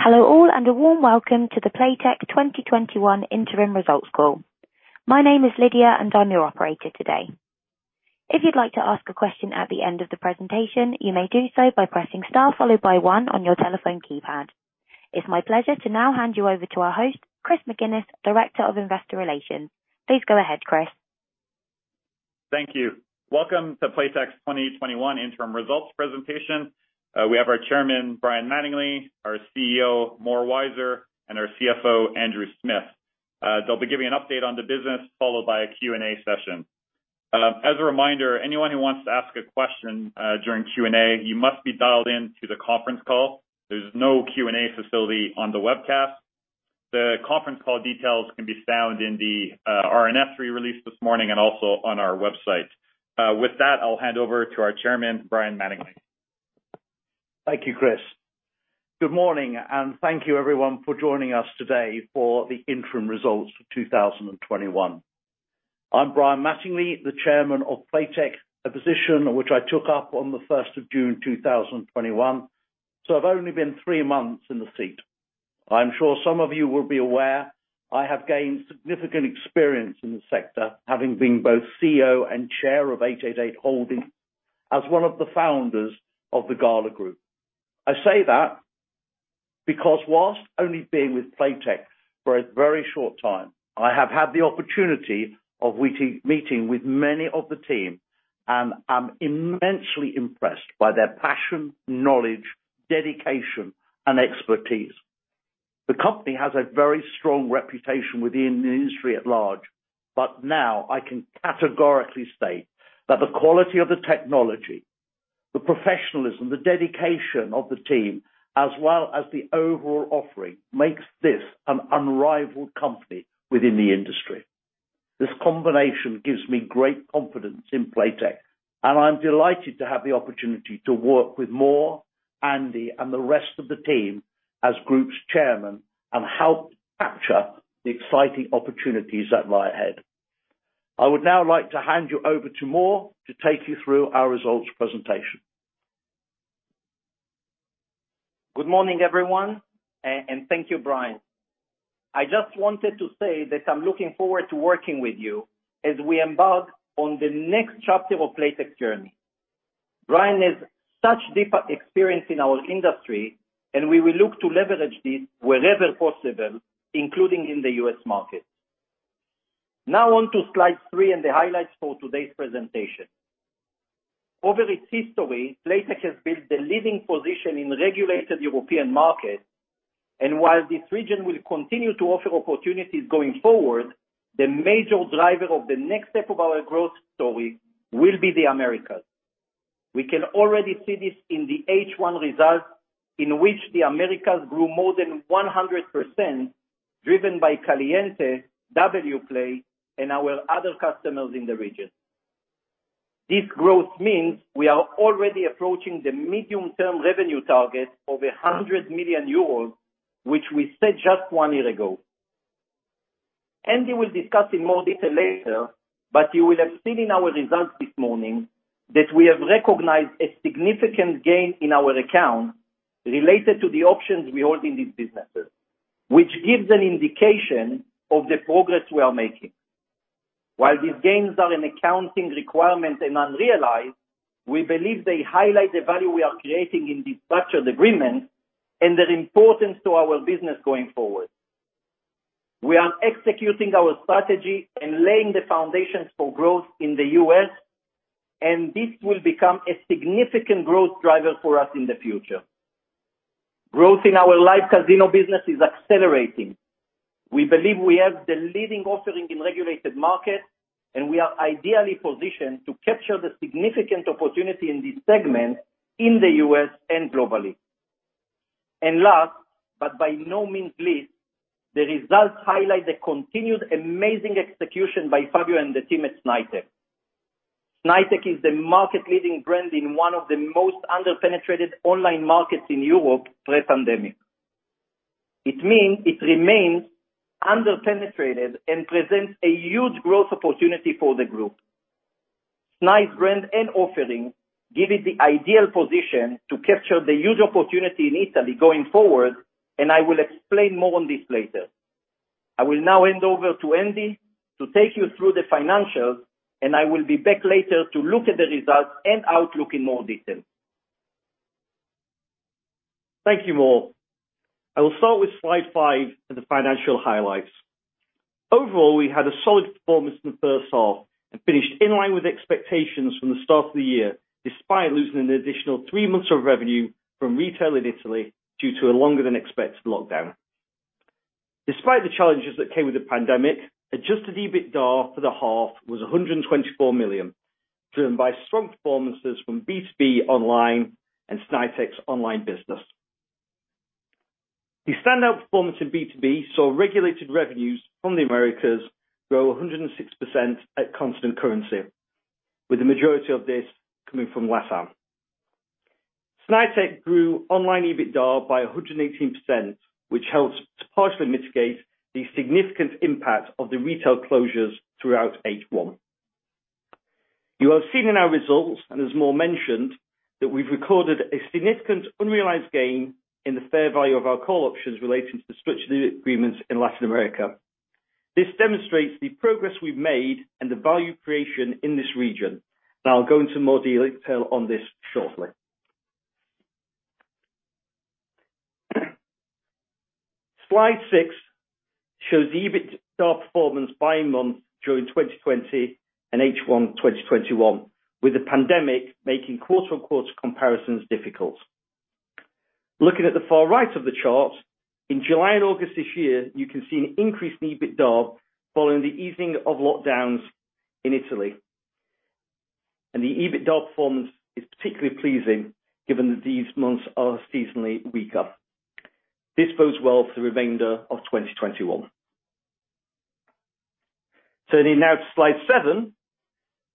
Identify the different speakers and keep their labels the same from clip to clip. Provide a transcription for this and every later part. Speaker 1: Hello all, and a warm welcome to the Playtech 2021 interim results call. My name is Lydia, and I'm your operator today. If you'd like to ask a question at the end of the presentation, you may do so by pressing star followed by one on your telephone keypad. It's my pleasure to now hand you over to our host, Chris McGinnis, Director of Investor Relations. Please go ahead, Chris.
Speaker 2: Thank you. Welcome to Playtech's 2021 interim results presentation. We have our Chairman, Brian Mattingley, our CEO, Mor Weizer, and our CFO, Andrew Smith. They'll be giving an update on the business, followed by a Q&A session. As a reminder, anyone who wants to ask a question during Q&A, you must be dialed in to the conference call. There's no Q&A facility on the webcast. The conference call details can be found in the RNS release this morning and also on our website. With that, I'll hand over to our Chairman, Brian Mattingley.
Speaker 3: Thank you, Chris. Good morning, thank you everyone for joining us today for the interim results for 2021. I'm Brian Mattingley, the Chairman of Playtech, a position which I took up on the June 1st, 2021, so I've only been three months in the seat. I'm sure some of you will be aware I have gained significant experience in the sector, having been both CEO and Chair of 888 Holdings as one of the founders of the Gala Group. I say that because whilst only being with Playtech for a very short time, I have had the opportunity of meeting with many of the team, and I'm immensely impressed by their passion, knowledge, dedication, and expertise. The company has a very strong reputation within the industry at large. Now I can categorically state that the quality of the technology, the professionalism, the dedication of the team, as well as the overall offering, makes this an unrivaled company within the industry. This combination gives me great confidence in Playtech, and I'm delighted to have the opportunity to work with Mor, Andy, and the rest of the team as group's chairman and help capture the exciting opportunities that lie ahead. I would now like to hand you over to Mor to take you through our results presentation.
Speaker 4: Good morning, everyone, and thank you, Brian. I just wanted to say that I'm looking forward to working with you as we embark on the next chapter of Playtech's journey. Brian has such deep experience in our industry, and we will look to leverage this wherever possible, including in the U.S. market. Now on to slide three and the highlights for today's presentation. Although in Italy Playtech has been in the leading position in regulated European markets. While this region will continue to offer opportunities going forward, the major driver of the next step of our growth story will be the Americas. We can already see this in the H1 results, in which the Americas grew more than 100%, driven by Caliente, Wplay, and our other customers in the region. This growth means we are already approaching the medium-term revenue target of 100 million euros, which we set just one year ago. Andy will discuss in more detail later, but you will have seen in our results this morning that we have recognized a significant gain in our account related to the options we hold in these businesses, which gives an indication of the progress we are making. While these gains are an accounting requirement and unrealized, we believe they highlight the value we are creating in these structured agreements and their importance to our business going forward. We are executing our strategy and laying the foundations for growth in the U.S., and this will become a significant growth driver for us in the future. Growth in our Live Casino business is accelerating. We believe we have the leading offering in regulated markets. We are ideally positioned to capture the significant opportunity in this segment in the U.S. and globally. Last, but by no means least, the results highlight the continued amazing execution by Fabio and the team at Snaitech. Snaitech is the market-leading brand in one of the most under-penetrated online markets in Europe pre-pandemic. It means it remains under-penetrated and presents a huge growth opportunity for the group. Snaitech's brand and offering give it the ideal position to capture the huge opportunity in Italy going forward. I will explain more on this later. I will now hand over to Andrew Smith to take you through the financials. I will be back later to look at the results and outlook in more detail.
Speaker 5: Thank you, Mor. I will start with slide five and the financial highlights. Overall, we had a solid performance in the first half and finished in line with expectations from the start of the year, despite losing an additional three months of revenue from retail in Italy due to a longer-than-expected lockdown. Despite the challenges that came with the pandemic, adjusted EBITDA for the half was 124 million, driven by strong performances from B2B online and Snaitech's online business. The standout performance in B2B saw regulated revenues from the Americas grow 106% at constant currency, with the majority of this coming from LATAM. Snaitech grew online EBITDA by 118%, which helped to partially mitigate the significant impact of the retail closures throughout H1. You have seen in our results, and as Mor mentioned, that we've recorded a significant unrealized gain in the fair value of our call options relating to the switch deal agreements in Latin America. This demonstrates the progress we've made and the value creation in this region. I'll go into more detail on this shortly. Slide six shows the EBITDA performance by month during 2020 and H1 2021, with the pandemic making quarter-on-quarter comparisons difficult. Looking at the far right of the chart, in July and August this year, you can see an increase in EBITDA following the easing of lockdowns in Italy. The EBITDA performance is particularly pleasing given that these months are seasonally weaker. This bodes well for the remainder of 2021. Turning now to slide seven,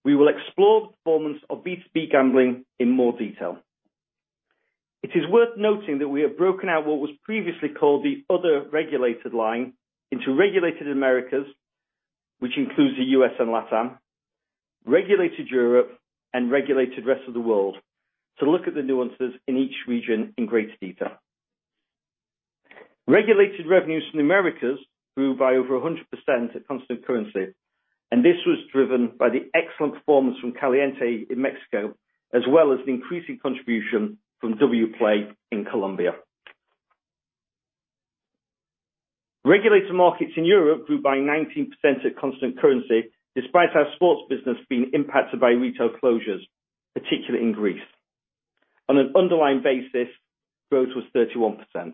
Speaker 5: we will explore the performance of B2B gambling in more detail. It is worth noting that we have broken out what was previously called the other regulated line into regulated Americas, which includes the U.S. and LATAM, regulated Europe, and regulated rest of the world, to look at the nuances in each region in greater detail. Regulated revenues from Americas grew by over 100% at constant currency, and this was driven by the excellent performance from Caliente in Mexico, as well as an increasing contribution from WPlay in Colombia. Regulated markets in Europe grew by 19% at constant currency, despite our sports business being impacted by retail closures, particularly in Greece. On an underlying basis, growth was 31%.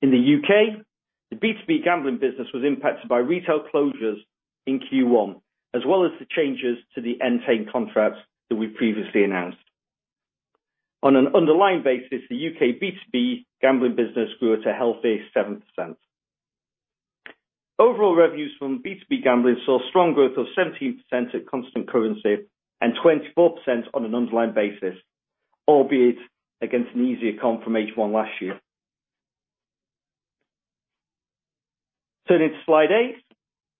Speaker 5: In the U.K., the B2B gambling business was impacted by retail closures in Q1, as well as the changes to the Entain contracts that we previously announced. On an underlying basis, the U.K. B2B gambling business grew at a healthy 7%. Overall revenues from B2B gambling saw strong growth of 17% at constant currency and 24% on an underlying basis, albeit against an easier comp from H1 last year. Turning to slide eight,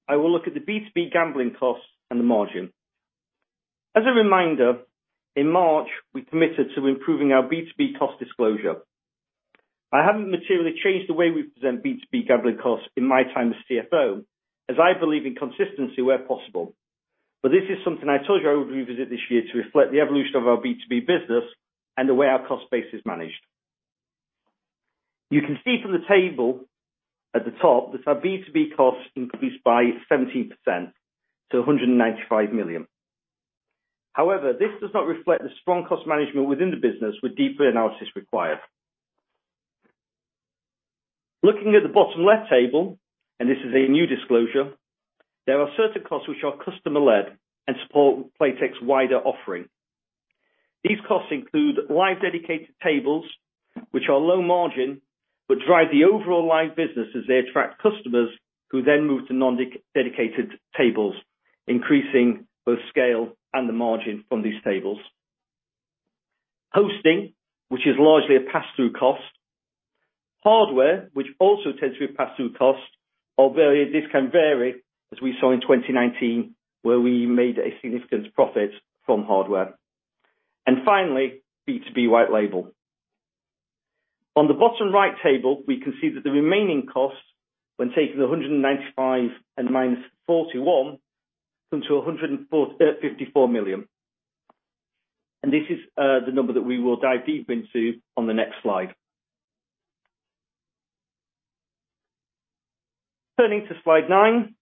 Speaker 5: I will look at the B2B gambling costs and the margin. As a reminder, in March, we committed to improving our B2B cost disclosure. I haven't materially changed the way we present B2B gambling costs in my time as CFO, as I believe in consistency where possible. This is something I told you I would revisit this year to reflect the evolution of our B2B business and the way our cost base is managed. You can see from the table at the top that our B2B costs increased by 17% to 195 million. This does not reflect the strong cost management within the business with deeper analysis required. Looking at the bottom left table, this is a new disclosure, there are certain costs which are customer-led and support Playtech's wider offering. These costs include Live dedicated tables, which are low margin, but drive the overall Live business as they attract customers who then move to non-dedicated tables, increasing both scale and the margin from these tables. Hosting, which is largely a pass-through cost. Hardware, which also tends to be a pass-through cost, although this can vary, as we saw in 2019, where we made a significant profit from hardware. Finally, B2B white label. On the bottom right table, we can see that the remaining costs when taking the 195 and minus 41 come to 154 million. This is the number that we will dive deep into on the next slide. Turning to slide nine,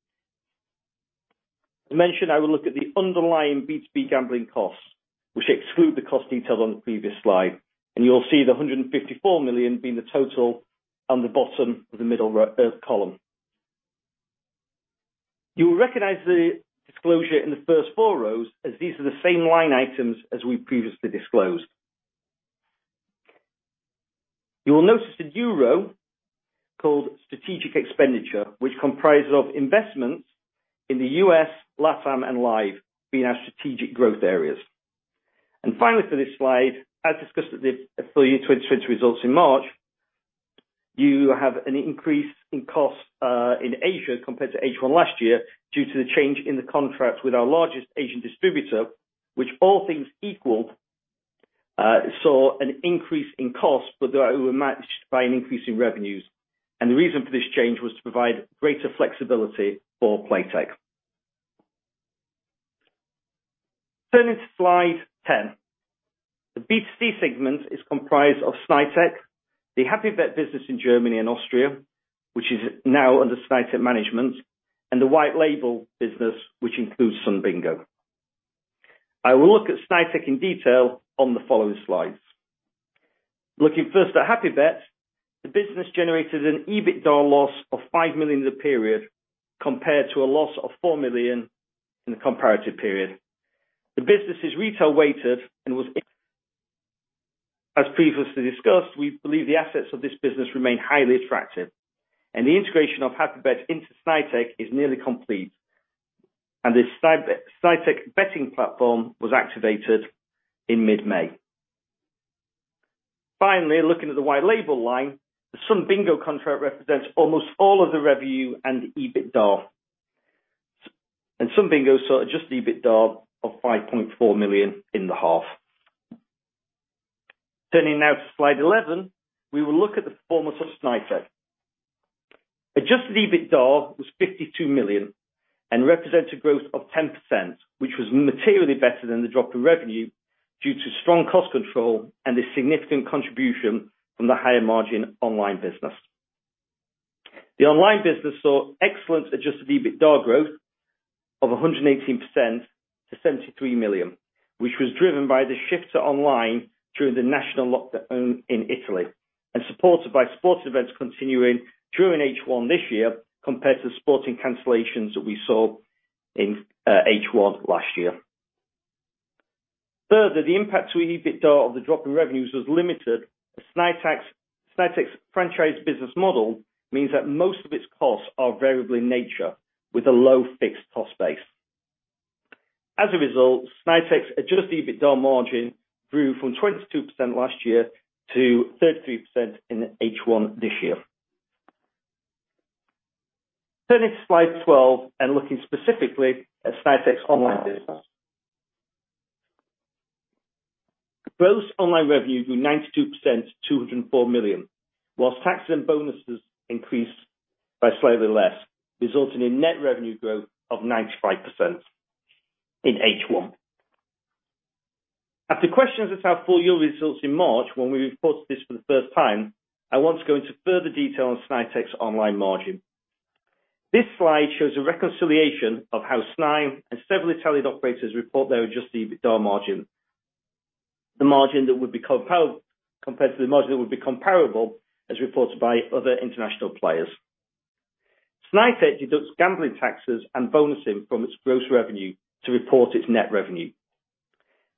Speaker 5: as mentioned, I will look at the underlying B2B gambling costs, which exclude the cost details on the previous slide. You'll see the 154 million being the total on the bottom of the middle column. You will recognize the disclosure in the first four rows as these are the same line items as we previously disclosed. You will notice a new row called strategic expenditure, which comprises of investments in the U.S., LATAM, and Live being our strategic growth areas. Finally, for this slide, as discussed at the full-year 2020 results in March, you have an increase in costs, in Asia compared to H1 last year due to the change in the contract with our largest Asian distributor, which all things equal, saw an increase in cost, but that were matched by an increase in revenues. The reason for this change was to provide greater flexibility for Playtech. Turning to slide 10. The B2C segment is comprised of Snaitech, the HappyBet business in Germany and Austria, which is now under Snaitech management, and the white label business, which includes Sun Bingo. I will look at Snaitech in detail on the following slides. Looking first at HappyBet, the business generated an EBITDA loss of 5 million in the period compared to a loss of 4 million in the comparative period. The business is retail-weighted and as previously discussed, we believe the assets of this business remain highly attractive. The integration of HappyBet into Snaitech is nearly complete. The Snaitech betting platform was activated in mid-May. Finally, looking at the white label line, the Sun Bingo contract represents almost all of the revenue and the EBITDA. Sun Bingo saw adjusted EBITDA of 5.4 million in the half. Turning now to slide 11, we will look at the performance of Snaitech. Adjusted EBITDA was 52 million and represents a growth of 10%, which was materially better than the drop in revenue due to strong cost control and the significant contribution from the higher margin online business. The online business saw excellent adjusted EBITDA growth of 118% to 73 million, which was driven by the shift to online through the national lockdown in Italy and supported by sports events continuing through in H1 this year compared to the sporting cancellations that we saw in H1 last year. Further, the impact to EBITDA of the drop in revenues was limited as Snaitech's franchise business model means that most of its costs are variable in nature with a low fixed cost base. As a result, Snaitech's adjusted EBITDA margin grew from 22% last year to 33% in H1 this year. Turning to slide 12 and looking specifically at Snaitech's online business. Gross online revenue grew 92% to 204 million, whilst taxes and bonuses increased by slightly less, resulting in net revenue growth of 95% in H1. After questions at our full year results in March when we reported this for the first time, I want to go into further detail on Snaitech's online margin. This slide shows a reconciliation of how Snai and several Italian operators report their adjusted EBITDA margin, the margin that would be comparable as reported by other international players. Snaitech deducts gambling taxes and bonusing from its gross revenue to report its net revenue.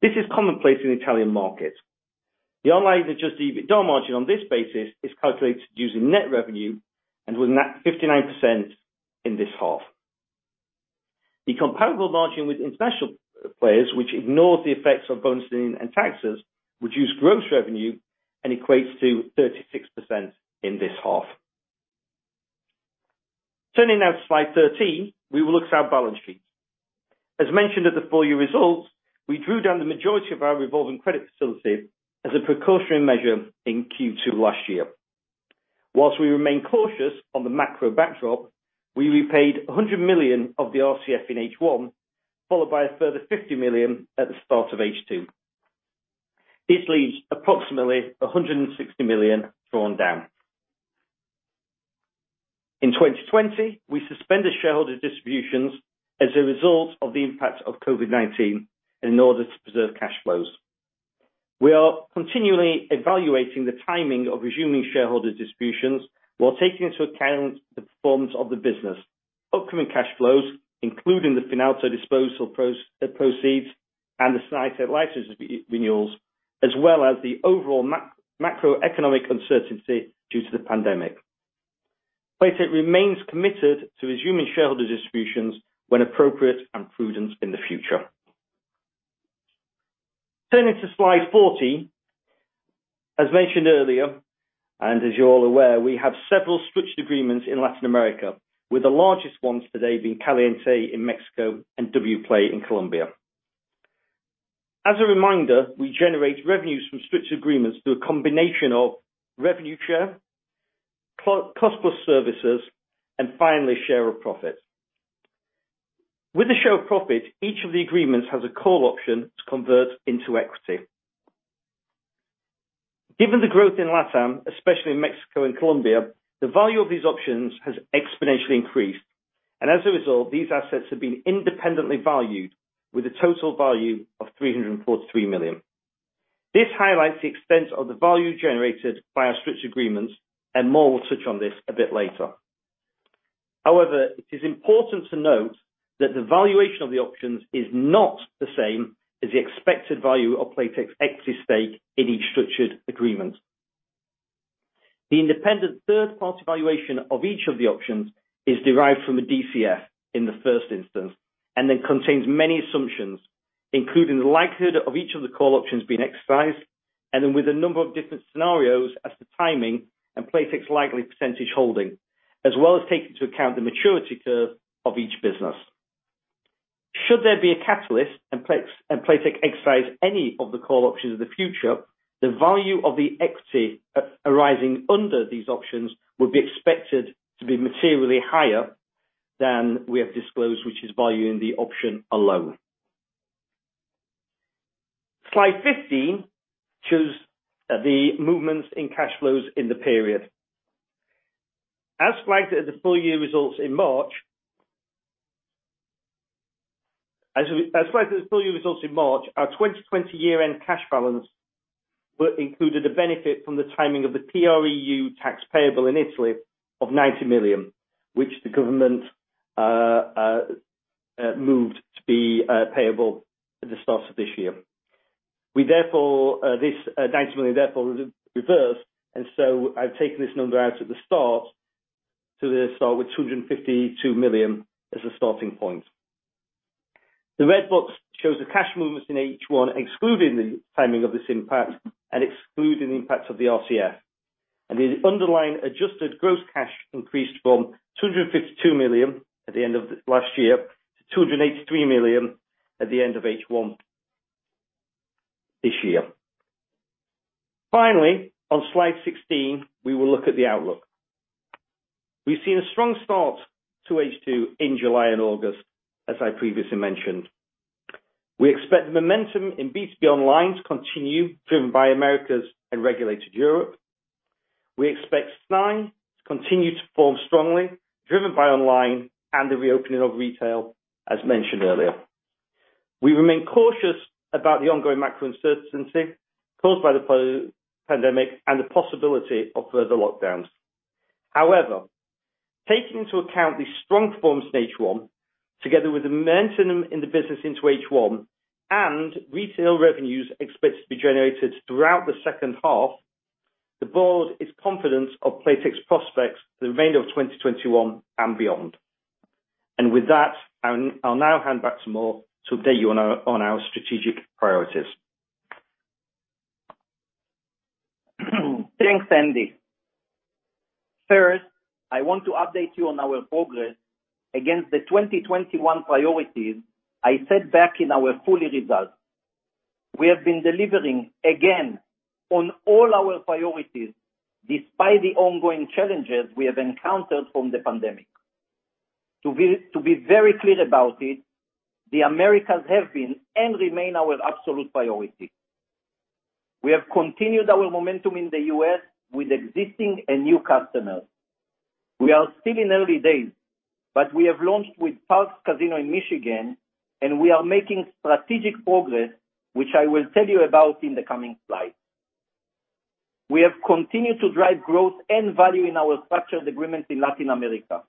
Speaker 5: This is commonplace in the Italian market. The online adjusted EBITDA margin on this basis is calculated using net revenue and was 59% in this half. The comparable margin with international players, which ignores the effects of bonusing and taxes, reduce gross revenue and equates to 36% in this half. Turning now to slide 13, we will look at our balance sheet. As mentioned at the full year results, we drew down the majority of our revolving credit facility as a precautionary measure in Q2 last year. Whilst we remain cautious on the macro backdrop, we repaid 100 million of the RCF in H1, followed by a further 50 million at the start of H2. This leaves approximately 160 million drawn down. In 2020, we suspended shareholder distributions as a result of the impact of COVID-19 and in order to preserve cash flows. We are continually evaluating the timing of resuming shareholder distributions while taking into account the performance of the business, upcoming cash flows, including the Finalto disposal proceeds and the Snaitech license renewals, as well as the overall macroeconomic uncertainty due to the pandemic. Playtech remains committed to resuming shareholder distributions when appropriate and prudent in the future. Turning to slide 14. As mentioned earlier, and as you're all aware, we have several structured agreements in Latin America, with the largest ones today being Caliente in Mexico and Wplay in Colombia. As a reminder, we generate revenues from structured agreements through a combination of revenue share, cost plus services, and finally, share of profit. With the share of profit, each of the agreements has a call option to convert into equity. Given the growth in LATAM, especially in Mexico and Colombia, the value of these options has exponentially increased, and as a result, these assets have been independently valued with a total value of 343 million. This highlights the extent of the value generated by our structured agreements, and Mor will touch on this a bit later. However, it is important to note that the valuation of the options is not the same as the expected value of Playtech's equity stake in each structured agreement. The independent third-party valuation of each of the options is derived from a DCF in the first instance, and then contains many assumptions, including the likelihood of each of the call options being exercised, and then with a number of different scenarios as to timing and Playtech's likely percentage holding, as well as taking into account the maturity curve of each business. Should there be a catalyst and Playtech exercise any of the call options in the future, the value of the equity arising under these options would be expected to be materially higher than we have disclosed, which is valuing the option alone. Slide 15 shows the movements in cash flows in the period. As flagged at the full year results in March, our 2020 year-end cash balance included a benefit from the timing of the PREU tax payable in Italy of 90 million, which the government moved to be payable at the start of this year. 90 million therefore was reversed, and so I've taken this number out at the start, so then start with 252 million as a starting point. The red box shows the cash movements in H1 excluding the timing of this impact and excluding the impact of the RCF. The underlying adjusted gross cash increased from 252 million at the end of last year to 283 million at the end of H1 this year. Finally, on slide 16, we will look at the outlook. We've seen a strong start to H2 in July and August, as I previously mentioned. We expect the momentum in B2B online to continue, driven by Americas and regulated Europe. We expect Snai to continue to form strongly, driven by online and the reopening of retail, as mentioned earlier. We remain cautious about the ongoing macro uncertainty caused by the pandemic and the possibility of further lockdowns. However, taking into account the strong performance in H1, together with the momentum in the business into H1 and retail revenues expected to be generated throughout the second half, the board is confident of Playtech's prospects for the remainder of 2021 and beyond. With that, I'll now hand back to Mor to update you on our strategic priorities.
Speaker 4: Thanks, Andy. First, I want to update you on our progress against the 2021 priorities I set back in our full results. We have been delivering again on all our priorities, despite the ongoing challenges we have encountered from the pandemic. To be very clear about it, the Americas have been and remain our absolute priority. We have continued our momentum in the U.S. with existing and new customers. We are still in early days, but we have launched with Parx Casino in Michigan, and we are making strategic progress, which I will tell you about in the coming slides. We have continued to drive growth and value in our structured agreements in Latin America.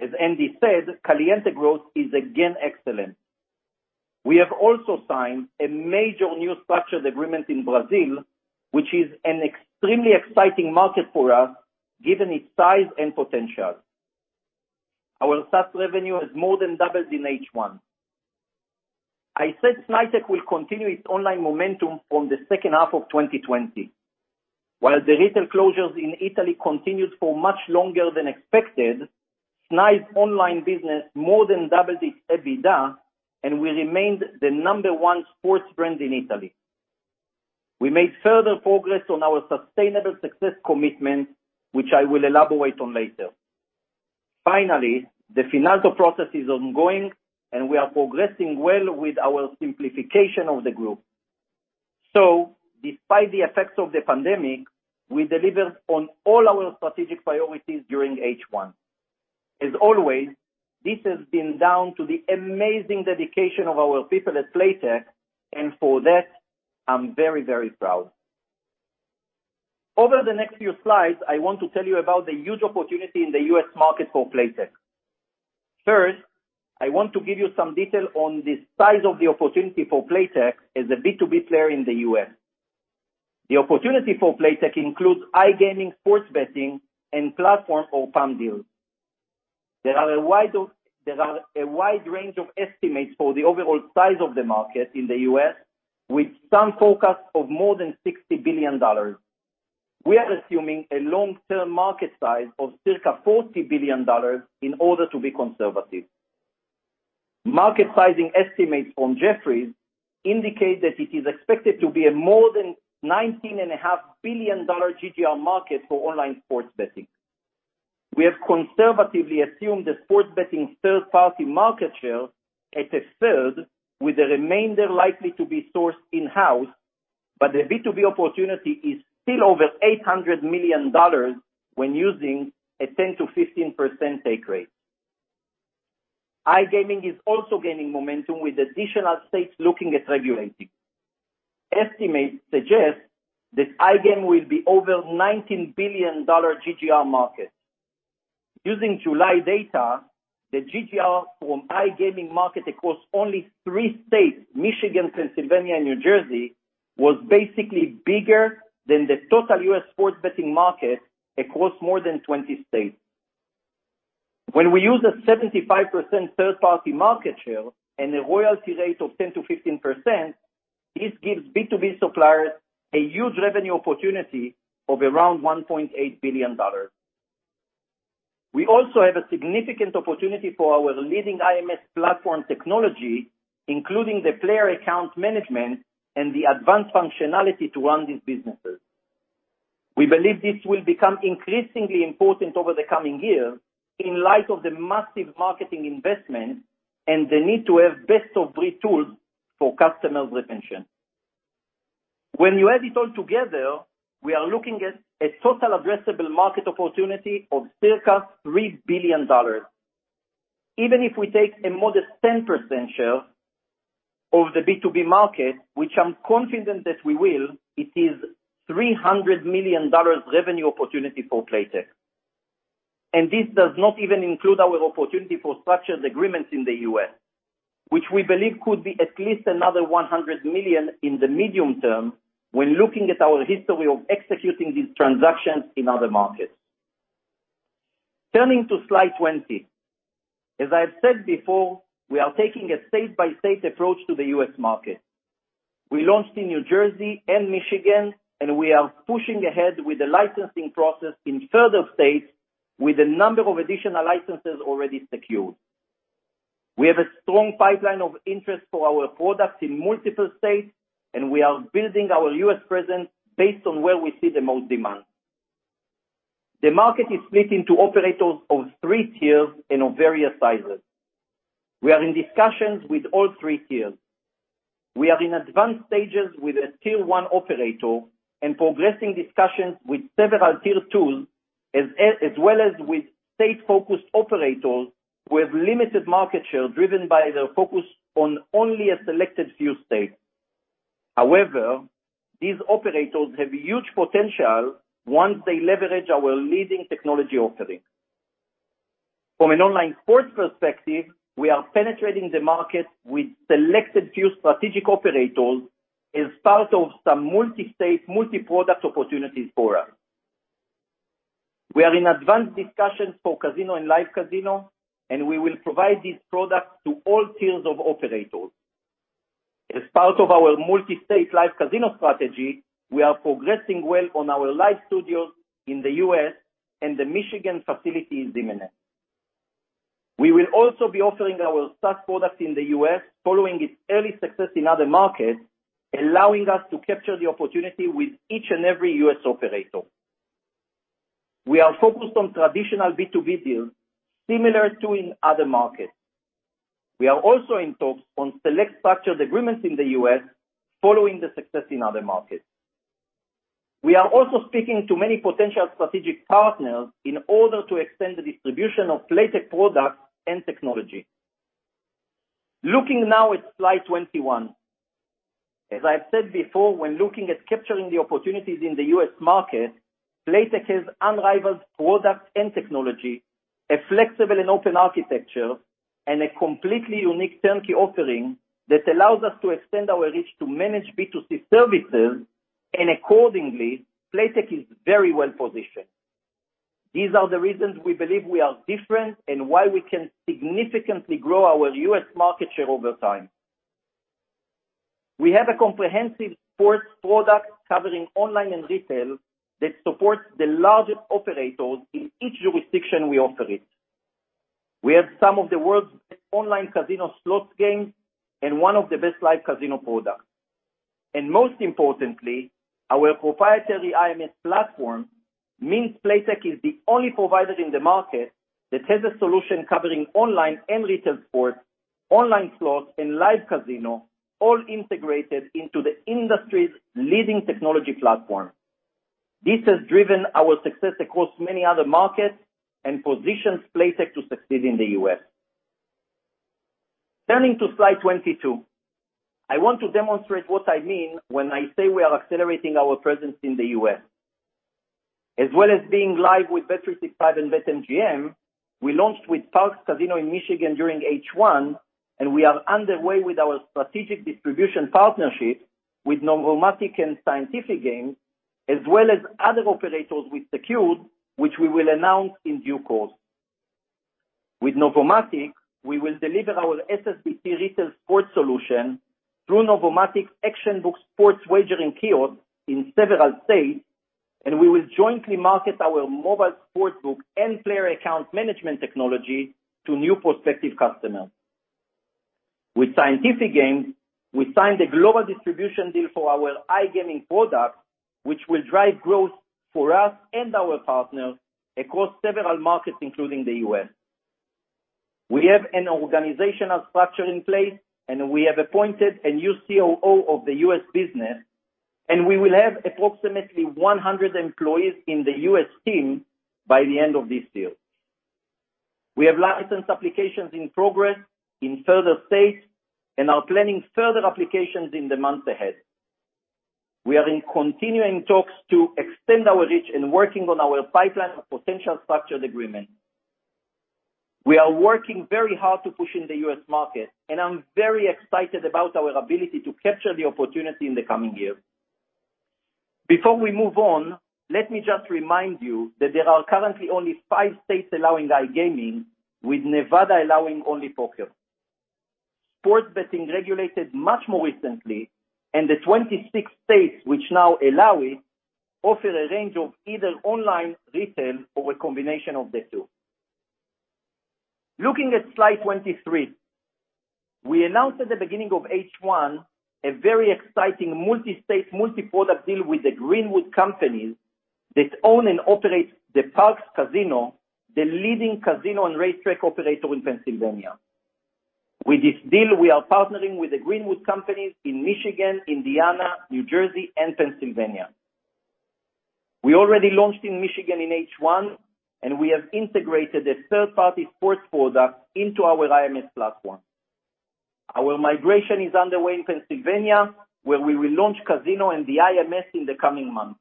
Speaker 4: As Andy said, Caliente growth is again excellent. We have also signed a major new structured agreement in Brazil, which is an extremely exciting market for us, given its size and potential. Our SaaS revenue has more than doubled in H1. I said Playtech will continue its online momentum from the second half of 2020. While the retail closures in Italy continued for much longer than expected, Snaitech's online business more than doubled its EBITDA, and we remained the number one sports brand in Italy. We made further progress on our sustainable success commitment, which I will elaborate on later. The Finalto process is ongoing, and we are progressing well with our simplification of the group. Despite the effects of the pandemic, we delivered on all our strategic priorities during H1. As always, this has been down to the amazing dedication of our people at Playtech, and for that, I'm very, very proud. Over the next few slides, I want to tell you about the huge opportunity in the U.S. market for Playtech. First, I want to give you some detail on the size of the opportunity for Playtech as a B2B player in the U.S. The opportunity for Playtech includes iGaming, sports betting, and platform or PAM deals. There are a wide range of estimates for the overall size of the market in the U.S., with some forecasts of more than $60 billion. We are assuming a long-term market size of circa $40 billion in order to be conservative. Market sizing estimates from Jefferies indicate that it is expected to be a more than $19.5 billion GGR market for online sports betting. We have conservatively assumed that sports betting third-party market share at one-third, with the remainder likely to be sourced in-house, but the B2B opportunity is still over $800 million when using a 10%-15% take rate. iGaming is also gaining momentum, with additional states looking at regulating. Estimates suggest that iGaming will be over $19 billion GGR market. Using July data, the GGR from iGaming market across only three states, Michigan, Pennsylvania, and New Jersey, was basically bigger than the total U.S. sports betting market across more than 20 states. When we use a 75% third-party market share and a royalty rate of 10%-15%, this gives B2B suppliers a huge revenue opportunity of around $1.8 billion. We also have a significant opportunity for our leading IMS platform technology, including the player account management and the advanced functionality to run these businesses. We believe this will become increasingly important over the coming years in light of the massive marketing investment and the need to have best-of-breed tools for customer retention. When you add it all together, we are looking at a total addressable market opportunity of circa $3 billion. Even if we take a modest 10% share of the B2B market, which I'm confident that we will, it is $300 million revenue opportunity for Playtech. This does not even include our opportunity for structured agreements in the U.S., which we believe could be at least another $100 million in the medium term when looking at our history of executing these transactions in other markets. Turning to slide 20. As I have said before, we are taking a state-by-state approach to the U.S. market. We launched in New Jersey and Michigan, and we are pushing ahead with the licensing process in further states with a number of additional licenses already secured. We have a strong pipeline of interest for our products in multiple states, and we are building our U.S. presence based on where we see the most demand. The market is split into operators of three tiers and of various sizes. We are in discussions with all three tiers. We are in advanced stages with a tier 1 operator and progressing discussions with several tier 2s, as well as with state-focused operators who have limited market share driven by their focus on only a selected few states. These operators have huge potential once they leverage our leading technology offering. From an online sports perspective, we are penetrating the market with selected few strategic operators as part of some multi-state, multi-product opportunities for us. We are in advanced discussions for casino and Live Casino, and we will provide these products to all tiers of operators. As part of our multi-state Live Casino strategy, we are progressing well on our live studios in the U.S., and the Michigan facility is imminent. We will also be offering our SaaS product in the U.S. following its early success in other markets, allowing us to capture the opportunity with each and every U.S. operator. We are focused on traditional B2B deals similar to in other markets. We are also in talks on select structured agreements in the U.S. following the success in other markets. We are also speaking to many potential strategic partners in order to extend the distribution of Playtech products and technology. Looking now at slide 21. As I have said before, when looking at capturing the opportunities in the U.S. market, Playtech has unrivaled products and technology, a flexible and open architecture, and a completely unique turnkey offering that allows us to extend our reach to manage B2C services, and accordingly, Playtech is very well-positioned. These are the reasons we believe we are different and why we can significantly grow our U.S. market share over time. We have a comprehensive sports product covering online and retail that supports the largest operators in each jurisdiction we offer it. We have some of the world's best online casino slots games and one of the best Live Casino products. Most importantly, our proprietary IMS platform means Playtech is the only provider in the market that has a solution covering online and retail sports, online slots, and Live Casino, all integrated into the industry's leading technology platform. This has driven our success across many other markets and positions Playtech to succeed in the U.S. Turning to slide 22. I want to demonstrate what I mean when I say we are accelerating our presence in the U.S. As well as being live with Bet365 and BetMGM, we launched with Parx Casino in Michigan during H1, and we are underway with our strategic distribution partnership with Novomatic and Scientific Games, as well as other operators we secured, which we will announce in due course. With Novomatic, we will deliver our SSBT retail sports solution through Novomatic's ActionBook sports wagering kiosk in several U.S. states, and we will jointly market our mobile sportsbook and player account management technology to new prospective customers. With Scientific Games, we signed a global distribution deal for our iGaming products, which will drive growth for us and our partners across several markets, including the U.S. We have an organizational structure in place, and we have appointed a new COO of the U.S. business, and we will have approximately 100 employees in the U.S. team by the end of this year. We have license applications in progress in further states and are planning further applications in the months ahead. We are in continuing talks to extend our reach and working on our pipeline of potential structured agreements. We are working very hard to push in the U.S. market, and I'm very excited about our ability to capture the opportunity in the coming year. Before we move on, let me just remind you that there are currently only five states allowing iGaming, with Nevada allowing only poker. Sports betting regulated much more recently, and the 26 states which now allow it offer a range of either online, retail, or a combination of the two. Looking at slide 23. We announced at the beginning of H1 a very exciting multi-state, multi-product deal with the Greenwood companies that own and operate the Parx Casino, the leading casino and racetrack operator in Pennsylvania. With this deal, we are partnering with the Greenwood companies in Michigan, Indiana, New Jersey, and Pennsylvania. We already launched in Michigan in H1, and we have integrated a third-party sports product into our IMS platform. Our migration is underway in Pennsylvania, where we will launch casino and the IMS in the coming months.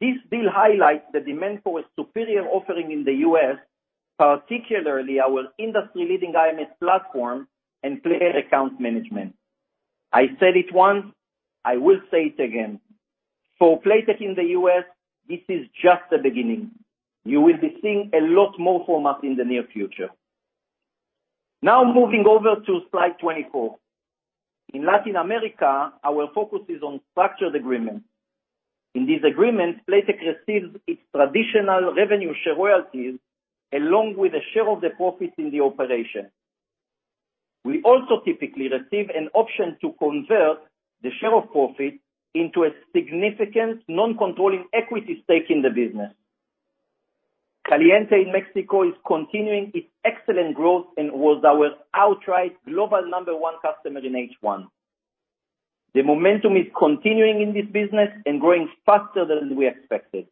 Speaker 4: This deal highlights the demand for a superior offering in the U.S., particularly our industry-leading IMS platform and player account management. I said it once, I will say it again, for Playtech in the U.S., this is just the beginning. You will be seeing a lot more from us in the near future. Moving over to slide 24. In Latin America, our focus is on structured agreements. In these agreements, Playtech receives its traditional revenue share royalties along with a share of the profits in the operation. We also typically receive an option to convert the share of profit into a significant non-controlling equity stake in the business. Caliente in Mexico is continuing its excellent growth and was our outright global number one customer in H1. The momentum is continuing in this business and growing faster than we expected.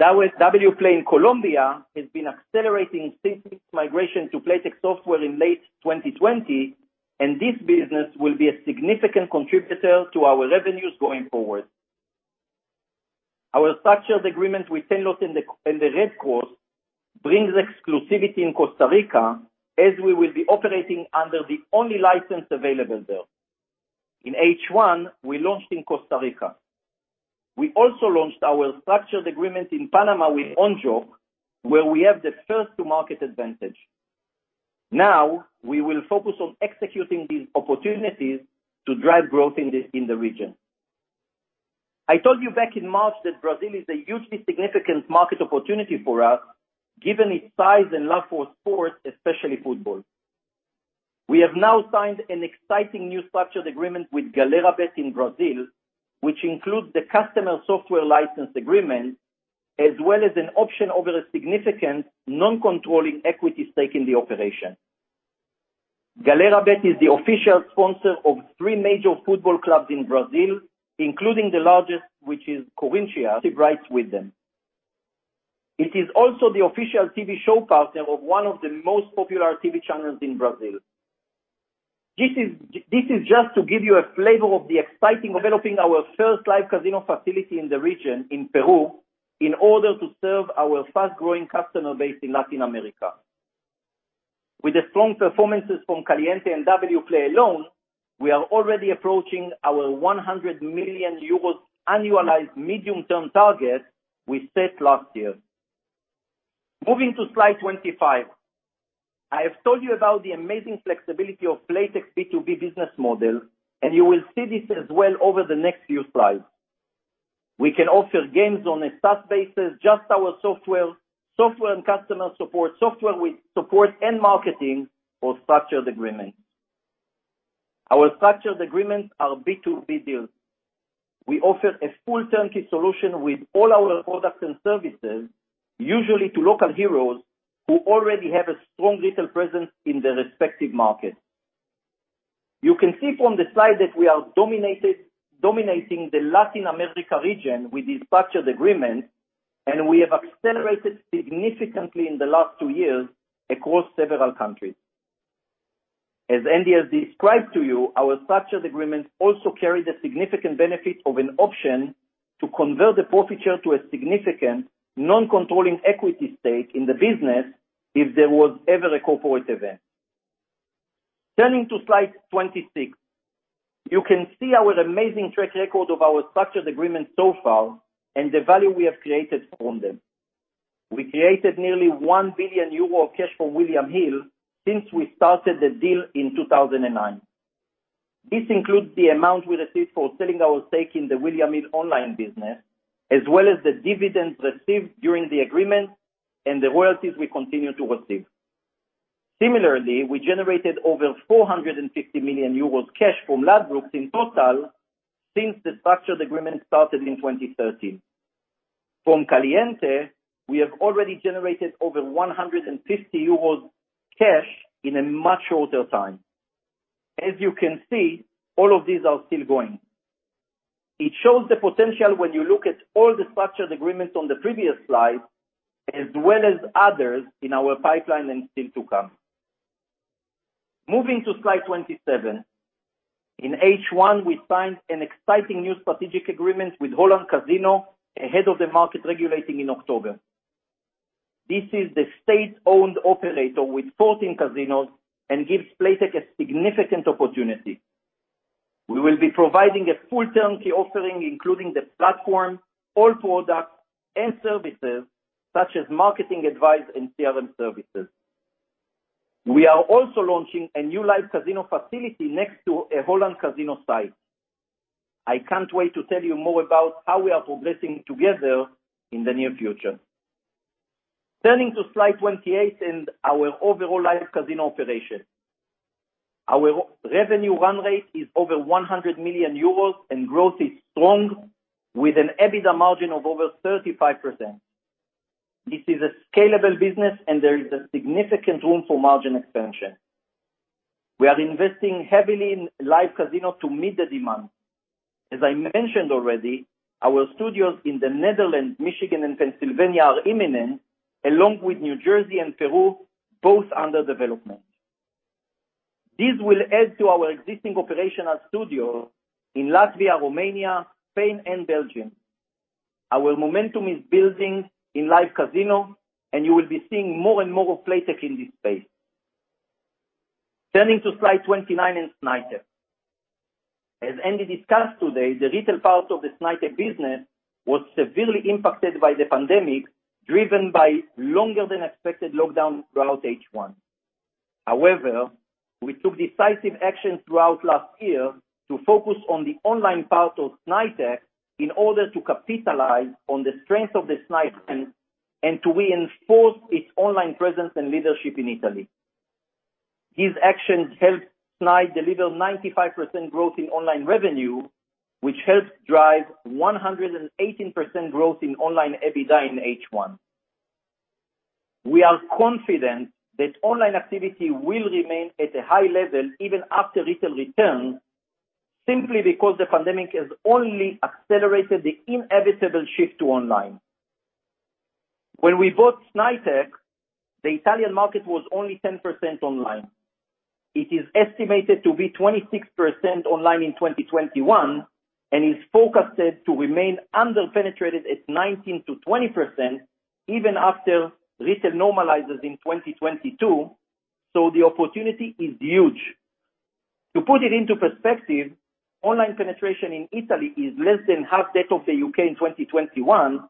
Speaker 4: Wplay in Colombia has been accelerating since its migration to Playtech software in late 2020, and this business will be a significant contributor to our revenues going forward. Our structured agreement with Tenlot and the Red Cross brings exclusivity in Costa Rica, as we will be operating under the only license available there. In H1, we launched in Costa Rica. We also launched our structured agreements in Panama with Onjoc, where we have the first-to-market advantage. Now, we will focus on executing these opportunities to drive growth in the region. I told you back in March that Brazil is a hugely significant market opportunity for us, given its size and love for sports, especially football. We have now signed an exciting new structured agreement with Galera.bet in Brazil, which includes the customer software license agreement, as well as an option over a significant non-controlling equity stake in the operation. Galera.bet is the official sponsor of three major football clubs in Brazil, including the largest, which is Corinthians, rights with them. It is also the official TV show partner of one of the most popular TV channels in Brazil. This is just to give you a flavor of developing our first Live Casino facility in the region in Peru in order to serve our fast-growing customer base in Latin America. With the strong performances from Caliente and Wplay. Play alone, we are already approaching our 100 million euros annualized medium-term target we set last year. Moving to slide 25. I have told you about the amazing flexibility of Playtech's B2B business model. You will see this as well over the next few slides. We can offer games on a SaaS basis, just our software and customer support, software with support and marketing or structured agreements. Our structured agreements are B2B deals. We offer a full turnkey solution with all our products and services, usually to local heroes who already have a strong retail presence in their respective markets. You can see from the slide that we are dominating the Latin America region with these structured agreements. We have accelerated significantly in the last two years across several countries. As Andy has described to you, our structured agreements also carry the significant benefit of an option to convert the profit share to a significant non-controlling equity stake in the business if there was ever a corporate event. Turning to slide 26. You can see our amazing track record of our structured agreements so far and the value we have created from them. We created nearly 1 billion euro of cash from William Hill since we started the deal in 2009. This includes the amount we received for selling our stake in the William Hill online business, as well as the dividends received during the agreement and the royalties we continue to receive. Similarly, we generated over 450 million euros cash from Ladbrokes in total since the structured agreement started in 2013. From Caliente, we have already generated over 150 euros cash in a much shorter time. As you can see, all of these are still going. It shows the potential when you look at all the structured agreements on the previous slide, as well as others in our pipeline and still to come. Moving to slide 27. In H1, we signed an exciting new strategic agreement with Holland Casino ahead of the market regulating in October. This is the state-owned operator with 14 casinos and gives Playtech a significant opportunity. We will be providing a full turnkey offering, including the platform, all products, and services such as marketing advice and CRM services. We are also launching a new Live Casino facility next to a Holland Casino site. I can't wait to tell you more about how we are progressing together in the near future. Turning to slide 28 and our overall Live Casino operation. Our revenue run rate is over 100 million euros and growth is strong with an EBITDA margin of over 35%. This is a scalable business, and there is a significant room for margin expansion. We are investing heavily in Live Casino to meet the demand. As I mentioned already, our studios in the Netherlands, Michigan, and Pennsylvania are imminent, along with New Jersey and Peru, both under development. This will add to our existing operational studio in Latvia, Romania, Spain, and Belgium. Our momentum is building in Live Casino, and you will be seeing more and more of Playtech in this space. Turning to slide 29 in Snaitech. As Andrew discussed today, the retail part of the Snaitech business was severely impacted by the pandemic, driven by longer than expected lockdown throughout H1. We took decisive action throughout last year to focus on the online part of Snaitech in order to capitalize on the strength of the Snai brand and to reinforce its online presence and leadership in Italy. These actions helped Snai deliver 95% growth in online revenue, which helped drive 118% growth in online EBITDA in H1. We are confident that online activity will remain at a high level even after retail returns, simply because the pandemic has only accelerated the inevitable shift to online. When we bought Snaitech, the Italian market was only 10% online. It is estimated to be 26% online in 2021, and is forecasted to remain under-penetrated at 19%-20% even after retail normalizes in 2022, so the opportunity is huge. To put it into perspective, online penetration in Italy is less than half that of the U.K. in 2021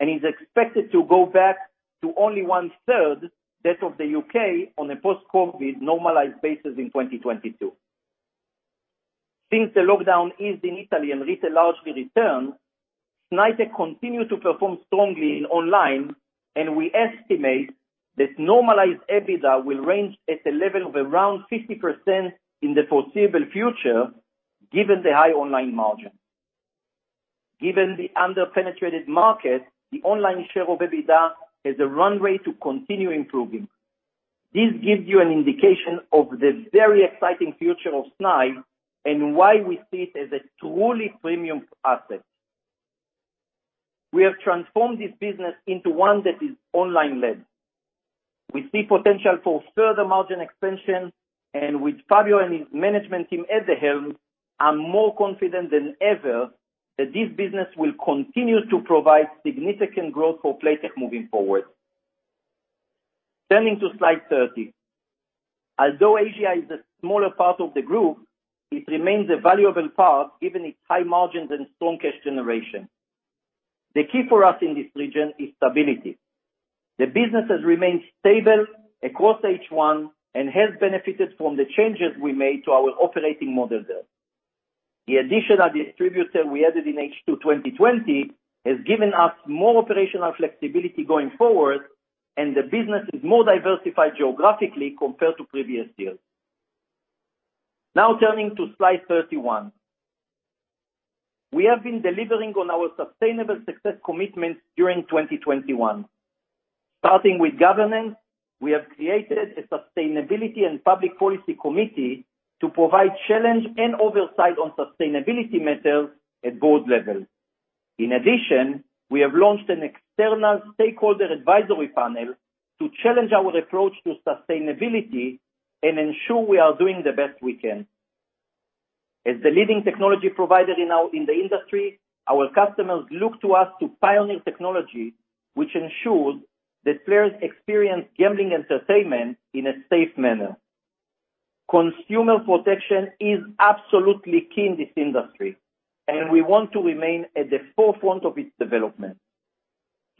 Speaker 4: and is expected to go back to only one-third that of the U.K. on a post-COVID-19 normalized basis in 2022. Since the lockdown eased in Italy and retail largely returned, Snaitech continued to perform strongly in online, and we estimate that normalized EBITDA will range at a level of around 50% in the foreseeable future, given the high online margin. Given the under-penetrated market, the online share of EBITDA has a runway to continue improving. This gives you an indication of the very exciting future of Snai and why we see it as a truly premium asset. We have transformed this business into one that is online-led. We see potential for further margin expansion. With Fabio and his management team at the helm, I'm more confident than ever that this business will continue to provide significant growth for Playtech moving forward. Turning to Slide 30. Although Asia is a smaller part of the group, it remains a valuable part given its high margins and strong cash generation. The key for us in this region is stability. The business has remained stable across H1 and has benefited from the changes we made to our operating model there. The additional distributor we added in H2 2020 has given us more operational flexibility going forward, and the business is more diversified geographically compared to previous years. Turning to Slide 31. We have been delivering on our sustainable success commitments during 2021. Starting with governance, we have created a sustainability and public policy committee to provide challenge and oversight on sustainability matters at board level. We have launched an external stakeholder advisory panel to challenge our approach to sustainability and ensure we are doing the best we can. As the leading technology provider in the industry, our customers look to us to pioneer technology which ensures that players experience gambling entertainment in a safe manner. Consumer protection is absolutely key in this industry, we want to remain at the forefront of its development.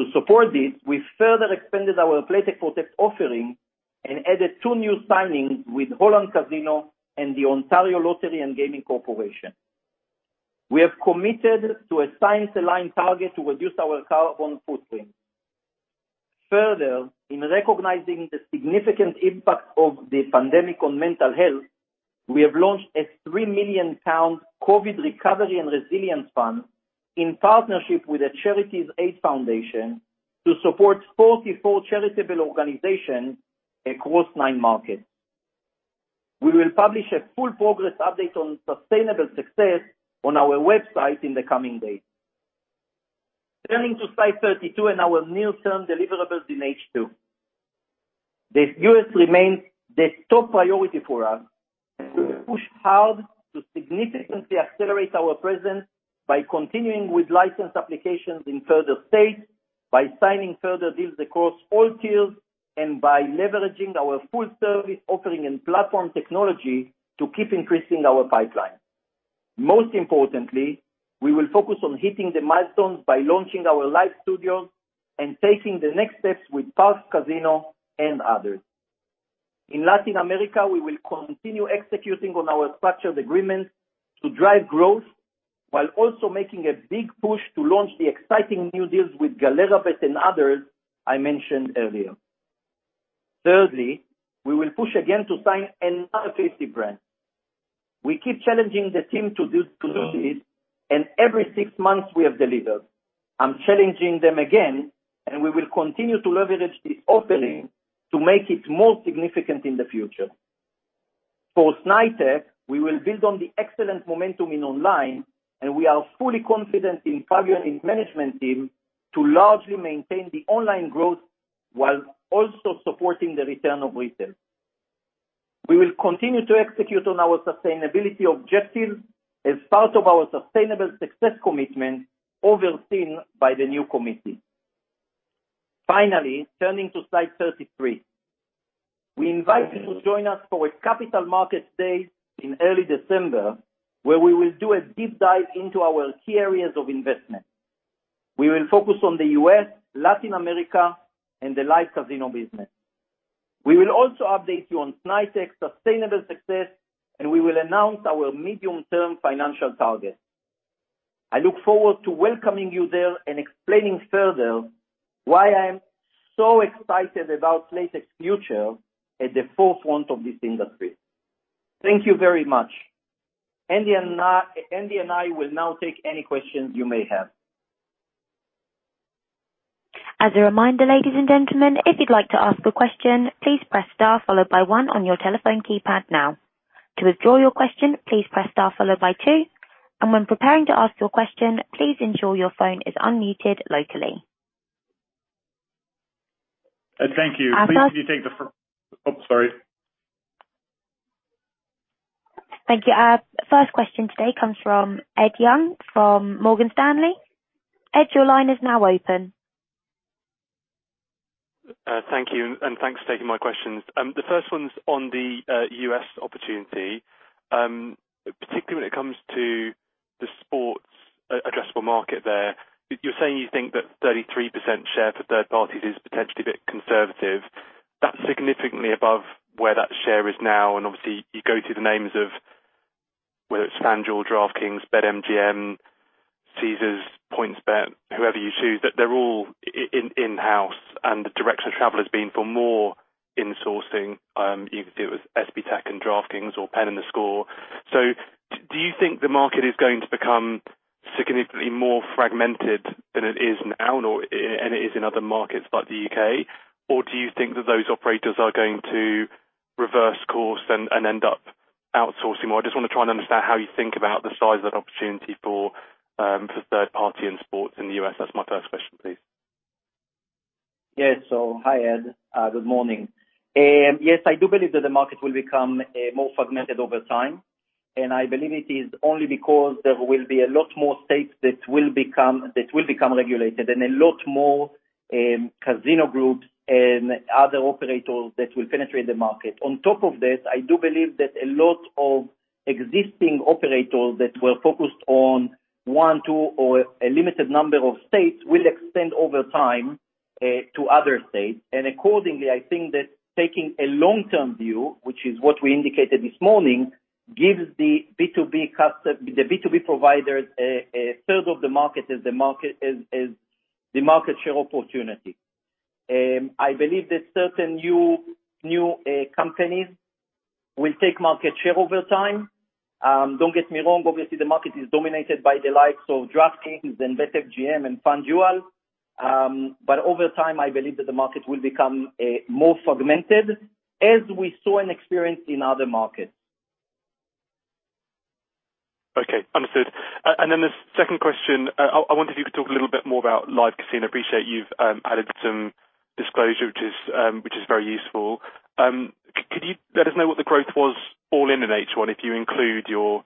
Speaker 4: To support this, we further expanded our Playtech Protect offering and added two new signings with Holland Casino and the Ontario Lottery and Gaming Corporation. We have committed to a science-aligned target to reduce our carbon footprint. In recognizing the significant impact of the pandemic on mental health, we have launched a 3 million pound COVID Recovery and Resilience Fund in partnership with the Charities Aid Foundation to support 44 charitable organizations across nine markets. We will publish a full progress update on sustainable success on our website in the coming days. Turning to slide 32 and our near-term deliverables in H2. The U.S. remains the top priority for us as we push hard to significantly accelerate our presence by continuing with license applications in further states, by signing further deals across all tiers, and by leveraging our full service offering and platform technology to keep increasing our pipeline. Most importantly, we will focus on hitting the milestones by launching our live studios and taking the next steps with Parx Casino and others. In Latin America, we will continue executing on our structured agreements to drive growth, while also making a big push to launch the exciting new deals with Galera.bet and others I mentioned earlier. Thirdly, we will push again to sign another 50 brands. We keep challenging the team to do this, and every six months we have delivered. I'm challenging them again, and we will continue to leverage this offering to make it more significant in the future. For Snaitech, we will build on the excellent momentum in online, and we are fully confident in Fabio and his management team to largely maintain the online growth while also supporting the return of retail. We will continue to execute on our sustainability objectives as part of our sustainable success commitment overseen by the new committee. Finally, turning to slide 33. We invite you to join us for a capital market day in early December, where we will do a deep dive into our key areas of investment. We will focus on the U.S., Latin America, and the Live Casino business. We will also update you on Playtech's sustainable success, and we will announce our medium-term financial targets. I look forward to welcoming you there and explaining further why I am so excited about Playtech's future at the forefront of this industry. Thank you very much. Andrew Smith and I will now take any questions you may have.
Speaker 1: As a reminder, ladies and gentlemen, if you'd like to ask a question, please press star followed by one on your telephone keypad now. To withdraw your question, please press star followed by two. When preparing to ask your question, please ensure your phone is unmuted locally.
Speaker 2: Thank you.
Speaker 1: Our first-
Speaker 2: Could you take the-- Oh, sorry.
Speaker 1: Thank you. Our first question today comes from Ed Young, from Morgan Stanley. Ed, your line is now open.
Speaker 6: Thank you, and thanks for taking my questions. The first one's on the U.S. opportunity, particularly when it comes to the sports addressable market there. You're saying you think that 33% share for third parties is potentially a bit conservative. That's significantly above where that share is now, and obviously, you go through the names of whether it's FanDuel, DraftKings, BetMGM, Caesars, PointsBet, whoever you choose, that they're all in-house, and the direction of travel has been for more insourcing. You can see it with SBTech and DraftKings or Penn and theScore. Do you think the market is going to become significantly more fragmented than it is now or than it is in other markets like the U.K.? Or do you think that those operators are going to reverse course and end up outsourcing more? I just want to try and understand how you think about the size of that opportunity for third party and sports in the U.S. That's my first question, please.
Speaker 4: Yes. So, hi, Ed. Good morning. I do believe that the market will become more fragmented over time. I believe it is only because there will be a lot more states that will become regulated and a lot more casino groups and other operators that will penetrate the market. On top of this, I do believe that a lot of existing operators that were focused on one, two, or a limited number of states will expand over time to other states. Accordingly, I think that taking a long-term view, which is what we indicated this morning, gives the B2B providers a third of the market as the market share opportunity. I believe that certain new companies will take market share over time. Don't get me wrong, obviously, the market is dominated by the likes of DraftKings and BetMGM and FanDuel. Over time, I believe that the market will become more fragmented as we saw and experienced in other markets.
Speaker 6: Okay. Understood. The second question, I wondered if you could talk a little bit more about Live Casino. I appreciate you've added some disclosure, which is very useful. Could you let us know what the growth was all in in H1 if you include your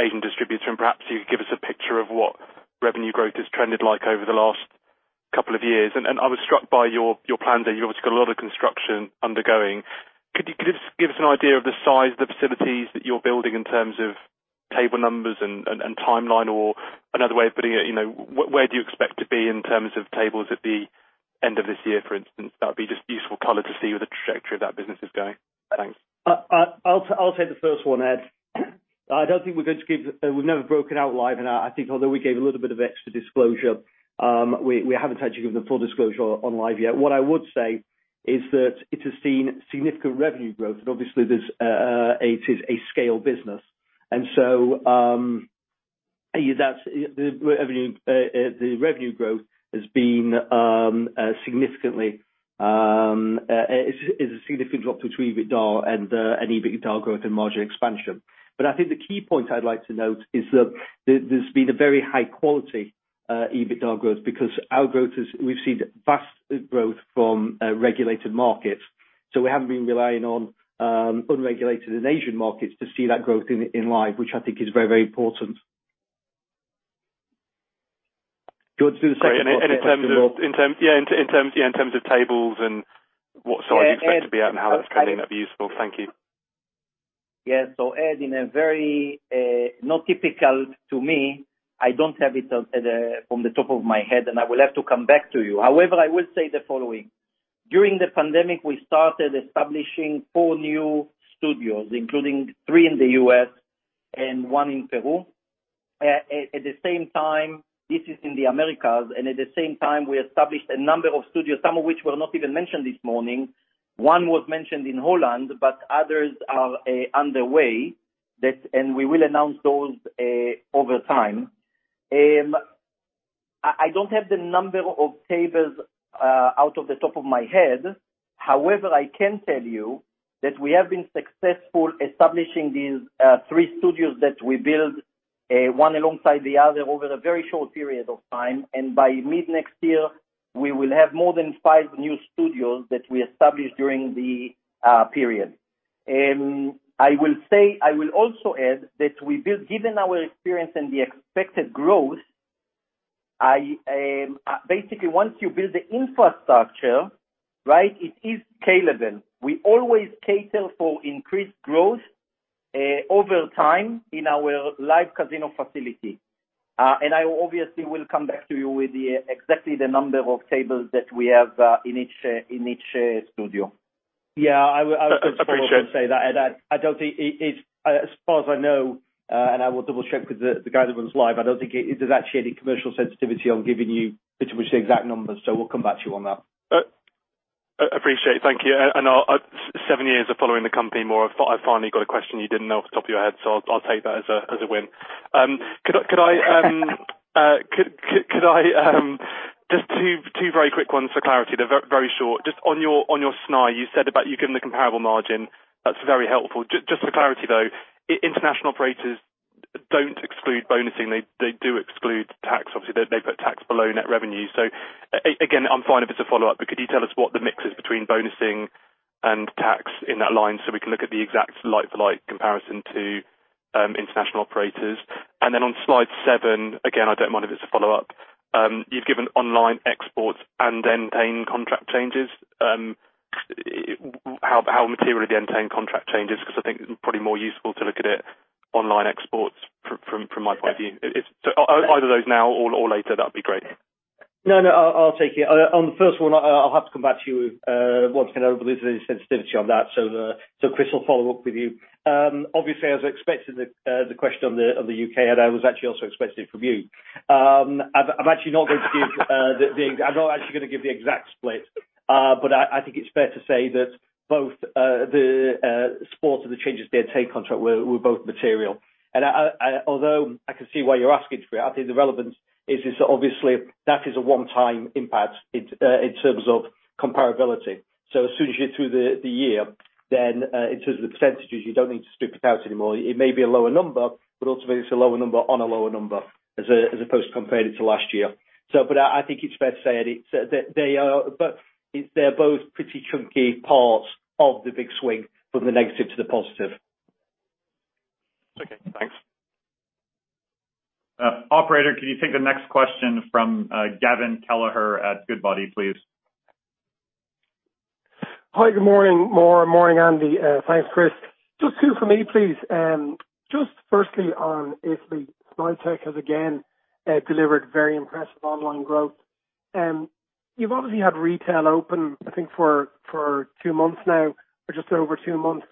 Speaker 6: agent distributor, and perhaps you could give us a picture of what revenue growth has trended like over the last couple of years? I was struck by your plan that you obviously got a lot of construction undergoing. Could you give us an idea of the size of the facilities that you're building in terms of table numbers and timeline or another way of putting it, where do you expect to be in terms of tables at the end of this year, for instance? That would be just useful color to see where the trajectory of that business is going. Thanks.
Speaker 5: I'll take the first one, Ed. I don't think we're going to give. We've never broken out Live Casino. I think although we gave a little bit of extra disclosure, we haven't actually given the full disclosure on Live Casino yet. What I would say is that it has seen significant revenue growth. Obviously, it is a scale business. The revenue growth is a significant drop between EBITDA and EBITDA growth and margin expansion. I think the key point I'd like to note is that there's been a very high-quality EBITDA growth because we've seen vast growth from regulated markets. We haven't been relying on unregulated and Asian markets to see that growth in Live Casino, which I think is very important. Do you want to do the second part of the question?
Speaker 6: Yeah, in terms of tables and what size you expect to be at and how that's coming, that'd be useful. Thank you.
Speaker 4: Yes. Ed, in a very not typical to me, I don't have it from the top of my head, and I will have to come back to you. However, I will say the following. During the pandemic, we started establishing four new studios, including three in the U.S. and one in Peru. At the same time, this is in the Americas, at the same time, we established a number of studios, some of which were not even mentioned this morning. One was mentioned in Holland, others are underway, we will announce those over time. I don't have the number of tables out of the top of my head. I can tell you that we have been successful establishing these three studios that we built one alongside the other over a very short period of time, and by mid-next year, we will have more than five new studios that we established during the period. I will also add that given our experience and the expected growth, basically once you build the infrastructure, it is scalable. We always cater for increased growth over time in our Live Casino facility. I obviously will come back to you with exactly the number of tables that we have in each studio.
Speaker 5: Yeah.
Speaker 6: Appreciate
Speaker 5: Say that, Ed. As far as I know, and I will double-check with the guy that runs Live, I don't think there's actually any commercial sensitivity on giving you literally the exact numbers, so we'll come back to you on that.
Speaker 6: Appreciate it. Thank you. Seven years of following the company, Mor, I finally got a question you didn't know off the top of your head, so I'll take that as a win. Just 2 very quick ones for clarity. They're very short. Just on your Snai, you said about you giving the comparable margin. That's very helpful. Just for clarity, though, international operators don't exclude bonusing. They do exclude tax. Obviously, they put tax below net revenue. Again, I'm fine if it's a follow-up, but could you tell us what the mix is between bonusing and tax in that line so we can look at the exact like-for-like comparison to international operators? Then on slide seven, again, I don't mind if it's a follow-up, you've given online ex-sports and end-paying contract changes. How material are the end-paying contract changes? I think it's probably more useful to look at it online ex-sports from my point of view. Either of those now or later, that would be great.
Speaker 5: I'll take it. On the first one, I'll have to come back to you once we know if there's any sensitivity on that. Chris will follow up with you. Obviously, I was expecting the question on the U.K., I was actually also expecting it from you. I'm actually not going to give the exact split, I think it's fair to say that both the sports and the changes to the end-pay contract were both material. Although I can see why you're asking for it, I think the relevance is that obviously that is a one-time impact in terms of comparability. As soon as you're through the year, in terms of the percentages, you don't need to strip it out anymore. It may be a lower number, but ultimately, it's a lower number on a lower number, as opposed to comparing it to last year. I think it's fair to say, Ed, they're both pretty chunky parts of the big swing from the negative to the positive.
Speaker 6: Okay, thanks.
Speaker 2: Operator, can you take the next question from Gavin Kelleher at Goodbody, please?
Speaker 7: Hi, good morning, Mor. Morning, Andy. Thanks, Chris. Just two from me, please. Just firstly on Italy, Snaitech has again delivered very impressive online growth. You've obviously had retail open, I think for two months now or just over two months.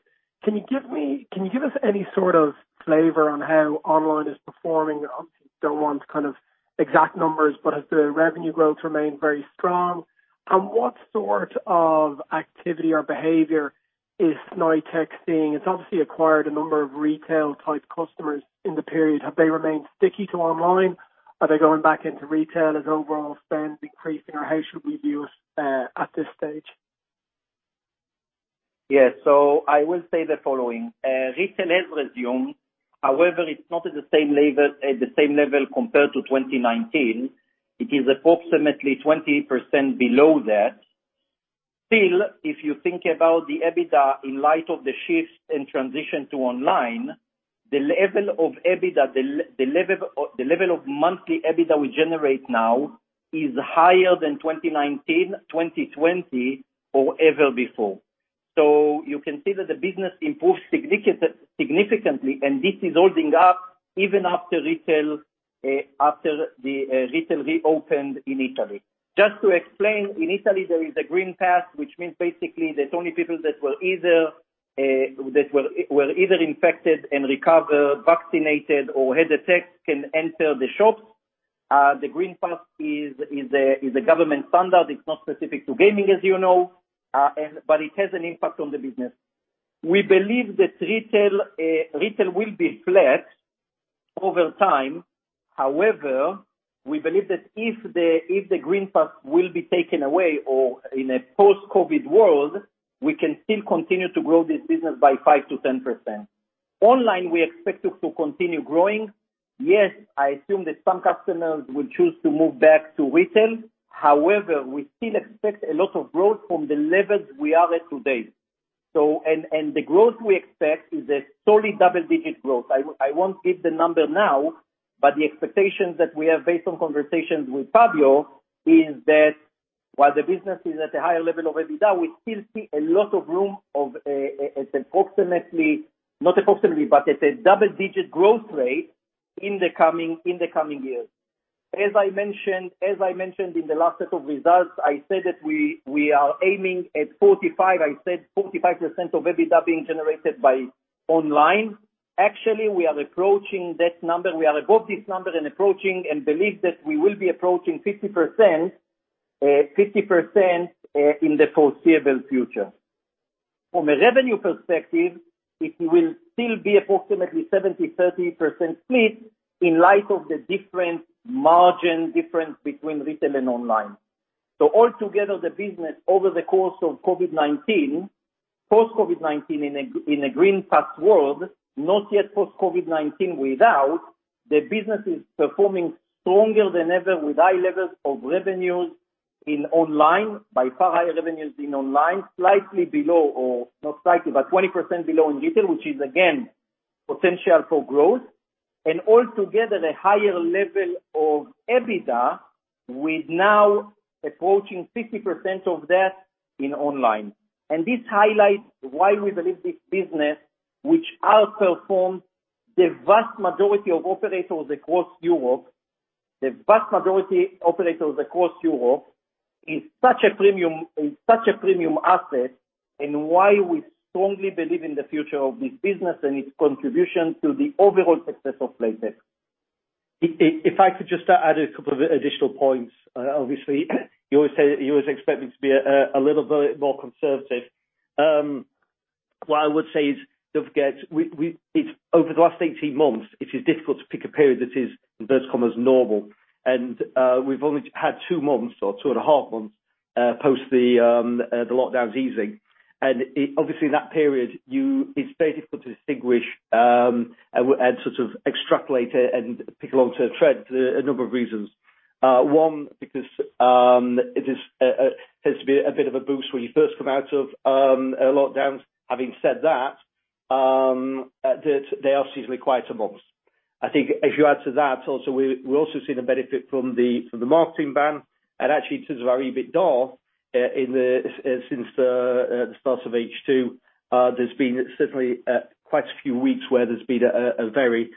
Speaker 7: Can you give us any sort of flavor on how online is performing? I obviously don't want kind of exact numbers, but has the revenue growth remained very strong? What sort of activity or behavior is Snaitech seeing? It's obviously acquired a number of retail-type customers in the period. Have they remained sticky to online? Are they going back into retail? Is overall spend increasing, or how should we view it at this stage?
Speaker 4: Yes. I will say the following. Retail has resumed. However, it's not at the same level compared to 2019. It is approximately 20% below that. If you think about the EBITDA in light of the shift and transition to online, the level of monthly EBITDA we generate now is higher than 2019, 2020, or ever before. You can see that the business improved significantly, and this is holding up even after the retail reopened in Italy. Just to explain, in Italy, there is a Green Pass, which means basically that only people that were either infected and recovered, vaccinated, or had a test can enter the shops. The Green Pass is a government standard. It's not specific to gaming, as you know, but it has an impact on the business. We believe that retail will be flat over time. However, we believe that if the Green Pass will be taken away or in a post-COVID-19 world, we can still continue to grow this business by 5%-10%. Online, we expect it to continue growing. Yes, I assume that some customers will choose to move back to retail. However, we still expect a lot of growth from the levels we are at today. The growth we expect is a solid double-digit growth. I won't give the number now, but the expectations that we have based on conversations with Fabio is that while the business is at a higher level of EBITDA, we still see a lot of room of approximately, not approximately, but at a double-digit growth rate in the coming year. As I mentioned in the last set of results, I said that we are aiming at 45%. I said 45% of EBITDA being generated by online. Actually, we are approaching that number. We are above this number and believe that we will be approaching 50% in the foreseeable future. From a revenue perspective, it will still be approximately 70%-30% split in light of the different margin difference between retail and online. Altogether, the business over the course of COVID-19, post-COVID-19 in a Green Pass world, not yet post-COVID-19 without, is performing stronger than ever with high levels of revenues in online. By far higher revenues in online, slightly below, or not slightly, but 20% below in retail, which is again, potential for growth. Altogether, the higher level of EBITDA, with now approaching 50% of that in online. This highlights why we believe this business, which outperforms the vast majority of operators across Europe, is such a premium asset, and why we strongly believe in the future of this business and its contribution to the overall success of Playtech.
Speaker 5: If I could just add a couple of additional points. Obviously, you always expect me to be a little bit more conservative. What I would say is, don't forget, over the last 18 months, it is difficult to pick a period that is "normal," We've only had two months or two and a half months post the lockdowns easing. Obviously, that period, it's very difficult to distinguish and sort of extrapolate it and pick a longer trend for a number of reasons. One, because it tends to be a bit of a boost when you first come out of lockdowns. Having said that, they are seasonally quieter months. I think if you add to that also, we're also seeing the benefit from the marketing ban. Actually, in terms of our EBITDA, since the start of H2, there's been certainly quite a few weeks where there's been a very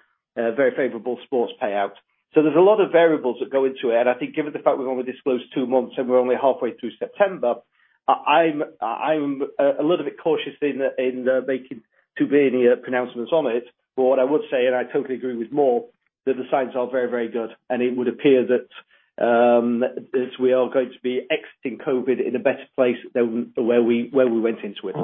Speaker 5: favorable sports payout. There's a lot of variables that go into it, and I think given the fact we've only disclosed two months and we're only halfway through September, I'm a little bit cautious in making too many pronouncements on it. What I would say, and I totally agree with Mor, that the signs are very, very good, and it would appear that we are going to be exiting COVID in a better place than where we went into it.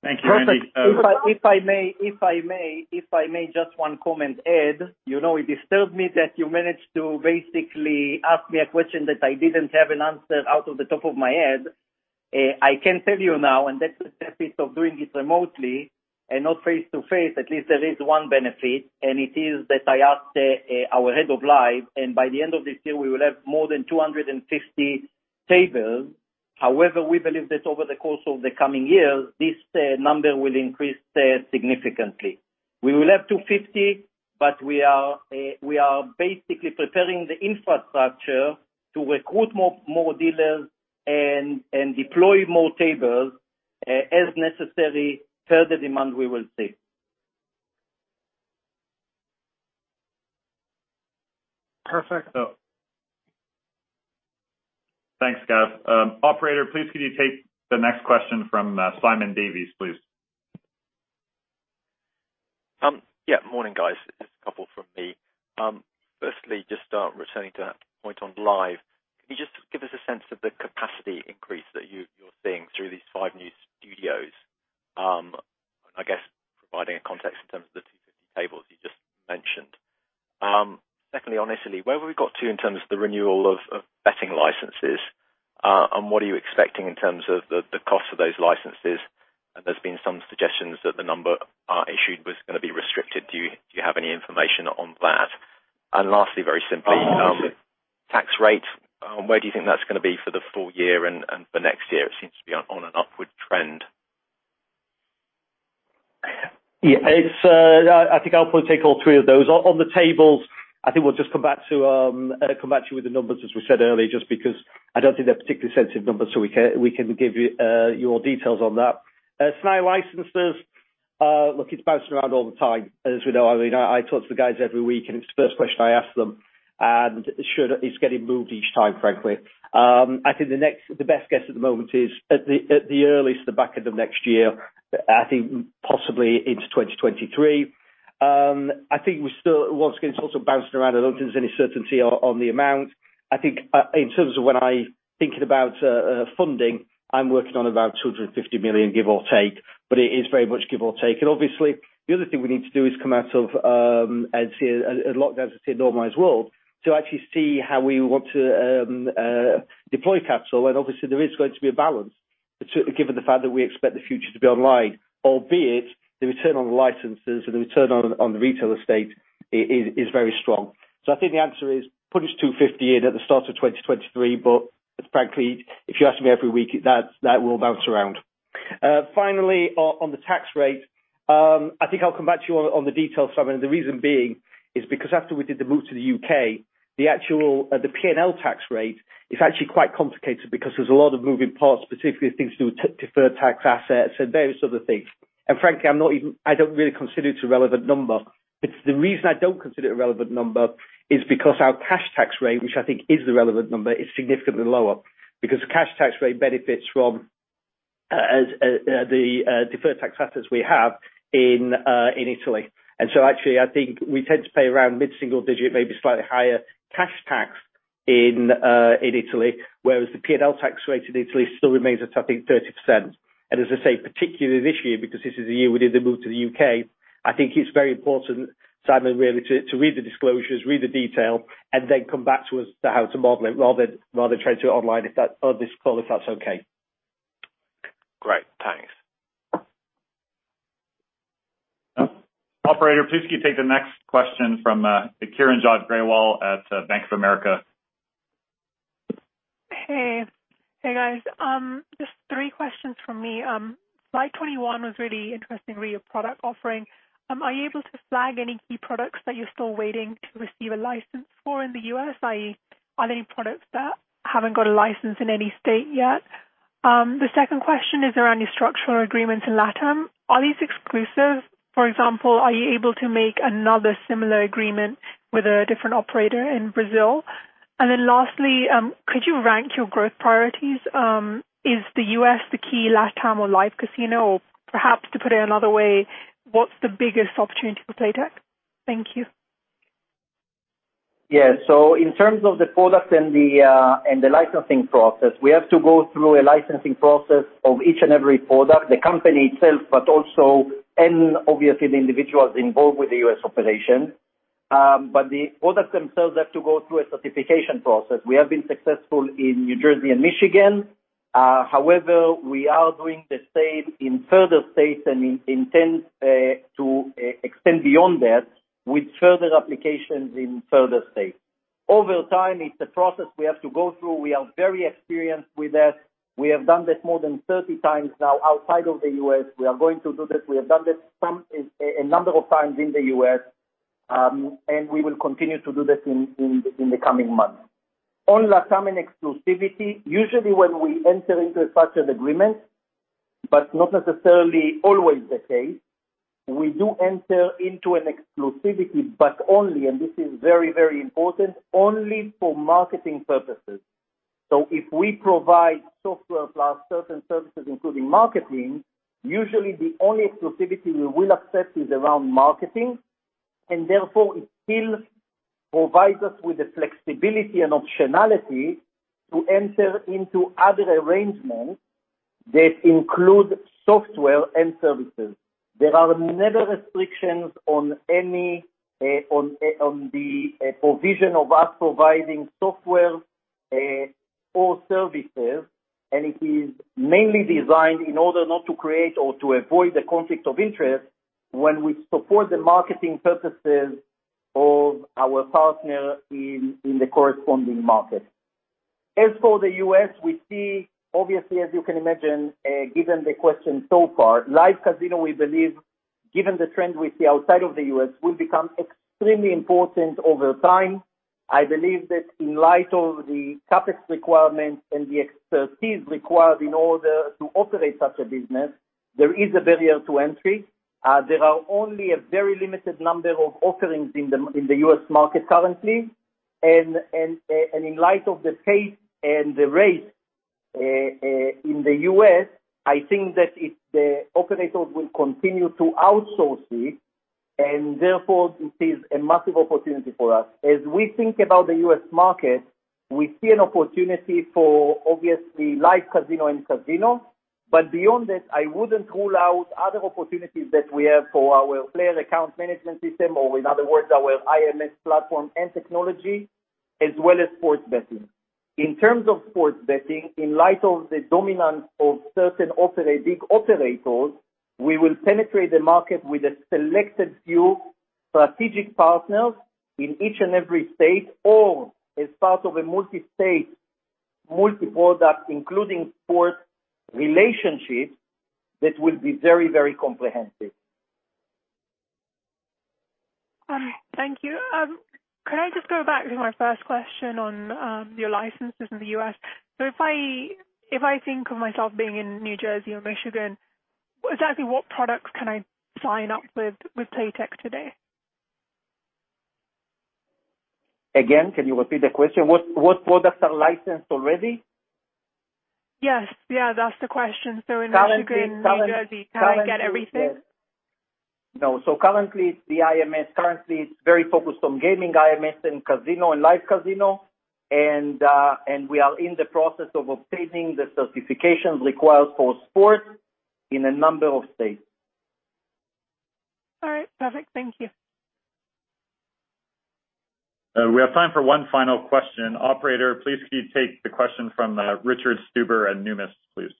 Speaker 2: Thank you, Andy.
Speaker 4: If I may just one comment add. It disturbed me that you managed to basically ask me a question that I didn't have an answer out of the top of my head. I can tell you now, and that's the benefit of doing it remotely and not face-to-face, at least there is one benefit, and it is that I asked our head of Live, and by the end of this year, we will have more than 250 tables. We believe that over the course of the coming years, this number will increase significantly. We will have 250, but we are basically preparing the infrastructure to recruit more dealers and deploy more tables as necessary per the demand we will see.
Speaker 7: Perfect.
Speaker 2: Thanks, Gav. Operator, please could you take the next question from Simon Davies, please?
Speaker 8: Morning, guys. Just a couple from me. Just returning to that point on Live. Can you just give us a sense of the capacity increase that you're seeing through these five new studios? I guess providing a context in terms of the 250 tables you just mentioned. On Italy, where have we got to in terms of the renewal of betting licenses? What are you expecting in terms of the cost of those licenses? There's been some suggestions that the number issued was going to be restricted. Do you have any information on that? Lastly, very simply, tax rate, where do you think that's going to be for the full year and for next year? It seems to be on an upward trend.
Speaker 5: Yeah. I think I'll probably take all three of those. On the tables, I think we'll just come back to you with the numbers, as we said earlier, just because I don't think they're particularly sensitive numbers, so we can give you your details on that. Snai licenses, look, it's bouncing around all the time. As we know, I talk to the guys every week, and it's the first question I ask them, and it's getting moved each time, frankly. I think the best guess at the moment is, at the earliest, the back end of next year. I think possibly into 2023. I think we still, once again, it's also bouncing around. I don't think there's any certainty on the amount. I think in terms of when I thinking about funding, I'm working on about 250 million, give or take, but it is very much give or take. Obviously, the other thing we need to do is come out of lockdown to a normalized world to actually see how we want to deploy capital. Obviously, there is going to be a balance, given the fact that we expect the future to be online, albeit the return on the licenses and the return on the retail estate is very strong. I think the answer is push 250 in at the start of 2023, but frankly, if you ask me every week, that will bounce around. Finally, on the tax rate, I think I'll come back to you on the details, Simon. The reason being is because after we did the move to the U.K., the P&L tax rate is actually quite complicated because there's a lot of moving parts, specifically things to do with deferred tax assets and various other things. Frankly, I don't really consider it a relevant number. The reason I don't consider it a relevant number is because our cash tax rate, which I think is the relevant number, is significantly lower, because the cash tax rate benefits from the deferred tax assets we have in Italy. So actually, I think we tend to pay around mid-single digit, maybe slightly higher cash tax in Italy, whereas the P&L tax rate in Italy still remains at, I think, 30%. As I say, particularly this year, because this is the year we did the move to the U.K. I think it's very important, Simon, really, to read the disclosures, read the detail, and then come back to us to how to model it rather than try to opine on this call, if that's okay.
Speaker 8: Great. Thanks.
Speaker 2: Operator, please can you take the next question from Kiranjot Grewal at Bank of America.
Speaker 9: Hey. Hey, guys. Just three questions from me. Slide 21 was really interesting, re: your product offering. Are you able to flag any key products that you're still waiting to receive a license for in the U.S., i.e., are there any products that haven't got a license in any state yet? The second question, is there any structured agreements in LATAM? Are these exclusive? For example, are you able to make another similar agreement with a different operator in Brazil? Lastly, could you rank your growth priorities? Is the U.S. the key, LATAM or Live Casino? Perhaps to put it another way, what's the biggest opportunity for Playtech? Thank you.
Speaker 4: In terms of the products and the licensing process, we have to go through a licensing process of each and every product, the company itself, but also, and obviously the individuals involved with the U.S. operation. The products themselves have to go through a certification process. We have been successful in New Jersey and Michigan. However, we are doing the same in further states and intend to extend beyond that with further applications in further states. Over time, it's a process we have to go through. We are very experienced with that. We have done this more than 30 times now outside of the U.S. We are going to do this. We have done this a number of times in the U.S., and we will continue to do this in the coming months. On LATAM and exclusivity, usually when we enter into a structured agreement, but not necessarily always the case, we do enter into an exclusivity, but only, and this is very, very important, only for marketing purposes. If we provide software plus certain services including marketing, usually the only exclusivity we will accept is around marketing, and therefore it still provides us with the flexibility and optionality to enter into other arrangements that include software and services. There are never restrictions on the provision of us providing software or services, and it is mainly designed in order not to create or to avoid the conflict of interest when we support the marketing purposes of our partner in the corresponding market. As for the U.S., we see, obviously, as you can imagine, given the question so far, Live Casino, we believe, given the trend we see outside of the U.S., will become extremely important over time. I believe that in light of the CapEx requirements and the expertise required in order to operate such a business, there is a barrier to entry. There are only a very limited number of offerings in the U.S. market currently. In light of the pace and the rate, in the U.S., I think that the operators will continue to outsource it, and therefore this is a massive opportunity for us. As we think about the U.S. market, we see an opportunity for, obviously, Live Casino and casino. Beyond that, I wouldn't rule out other opportunities that we have for our player account management system, or in other words, our IMS platform and technology, as well as sports betting. In terms of sports betting, in light of the dominance of certain operating operators, we will penetrate the market with a selected few strategic partners in each and every state, or as part of a multi-state, multi-product, including sports relationships that will be very, very comprehensive.
Speaker 9: Thank you. Can I just go back to my first question on your licenses in the U.S.? If I think of myself being in New Jersey or Michigan, exactly what products can I sign up with Playtech today?
Speaker 4: Again, can you repeat the question? What products are licensed already?
Speaker 9: Yes. That's the question. In Michigan.
Speaker 4: Currently-
Speaker 9: New Jersey, can I get everything?
Speaker 4: No. Currently, the IMS currently is very focused on gaming IMS and casino and Live Casino. We are in the process of obtaining the certifications required for sports in a number of states.
Speaker 9: All right. Perfect. Thank you.
Speaker 2: We have time for one final question. Operator, please can you take the question from Richard Stuber at Numis, please.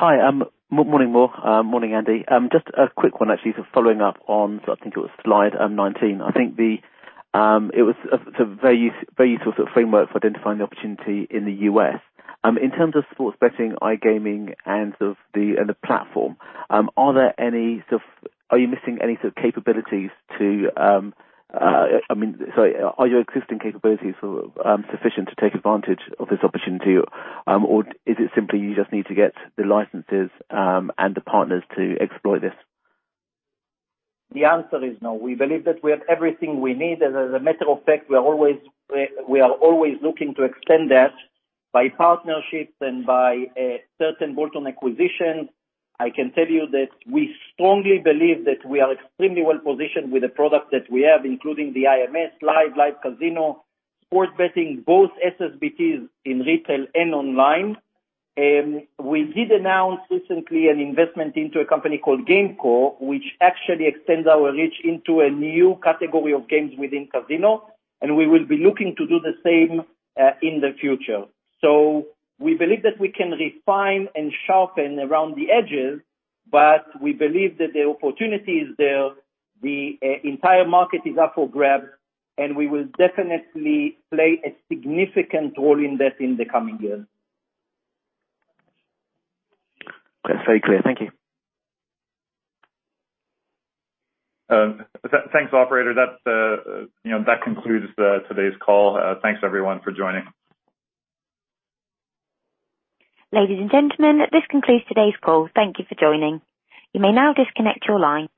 Speaker 10: Hi. Morning, Mor. Morning, Andy. Just a quick one, actually, following up on, I think it was slide 19. I think it was a very useful sort of framework for identifying the opportunity in the U.S. In terms of sports betting, iGaming, and the platform, I mean, sorry, are your existing capabilities sufficient to take advantage of this opportunity, or is it simply you just need to get the licenses and the partners to exploit this?
Speaker 4: The answer is no. We believe that we have everything we need. As a matter of fact, we are always looking to extend that by partnerships and by certain bolt-on acquisitions. I can tell you that we strongly believe that we are extremely well-positioned with the products that we have, including the IMS Live Casino, sports betting, both SSBTs in retail and online. We did announce recently an investment into a company called GameCo, which actually extends our reach into a new category of games within casino, and we will be looking to do the same in the future. We believe that we can refine and sharpen around the edges, but we believe that the opportunity is there, the entire market is up for grabs, and we will definitely play a significant role in that in the coming years.
Speaker 10: That's very clear. Thank you.
Speaker 2: Thanks, operator. That concludes today's call. Thanks, everyone, for joining.
Speaker 1: Ladies and gentlemen, this concludes today's call. Thank you for joining. You may now disconnect your line.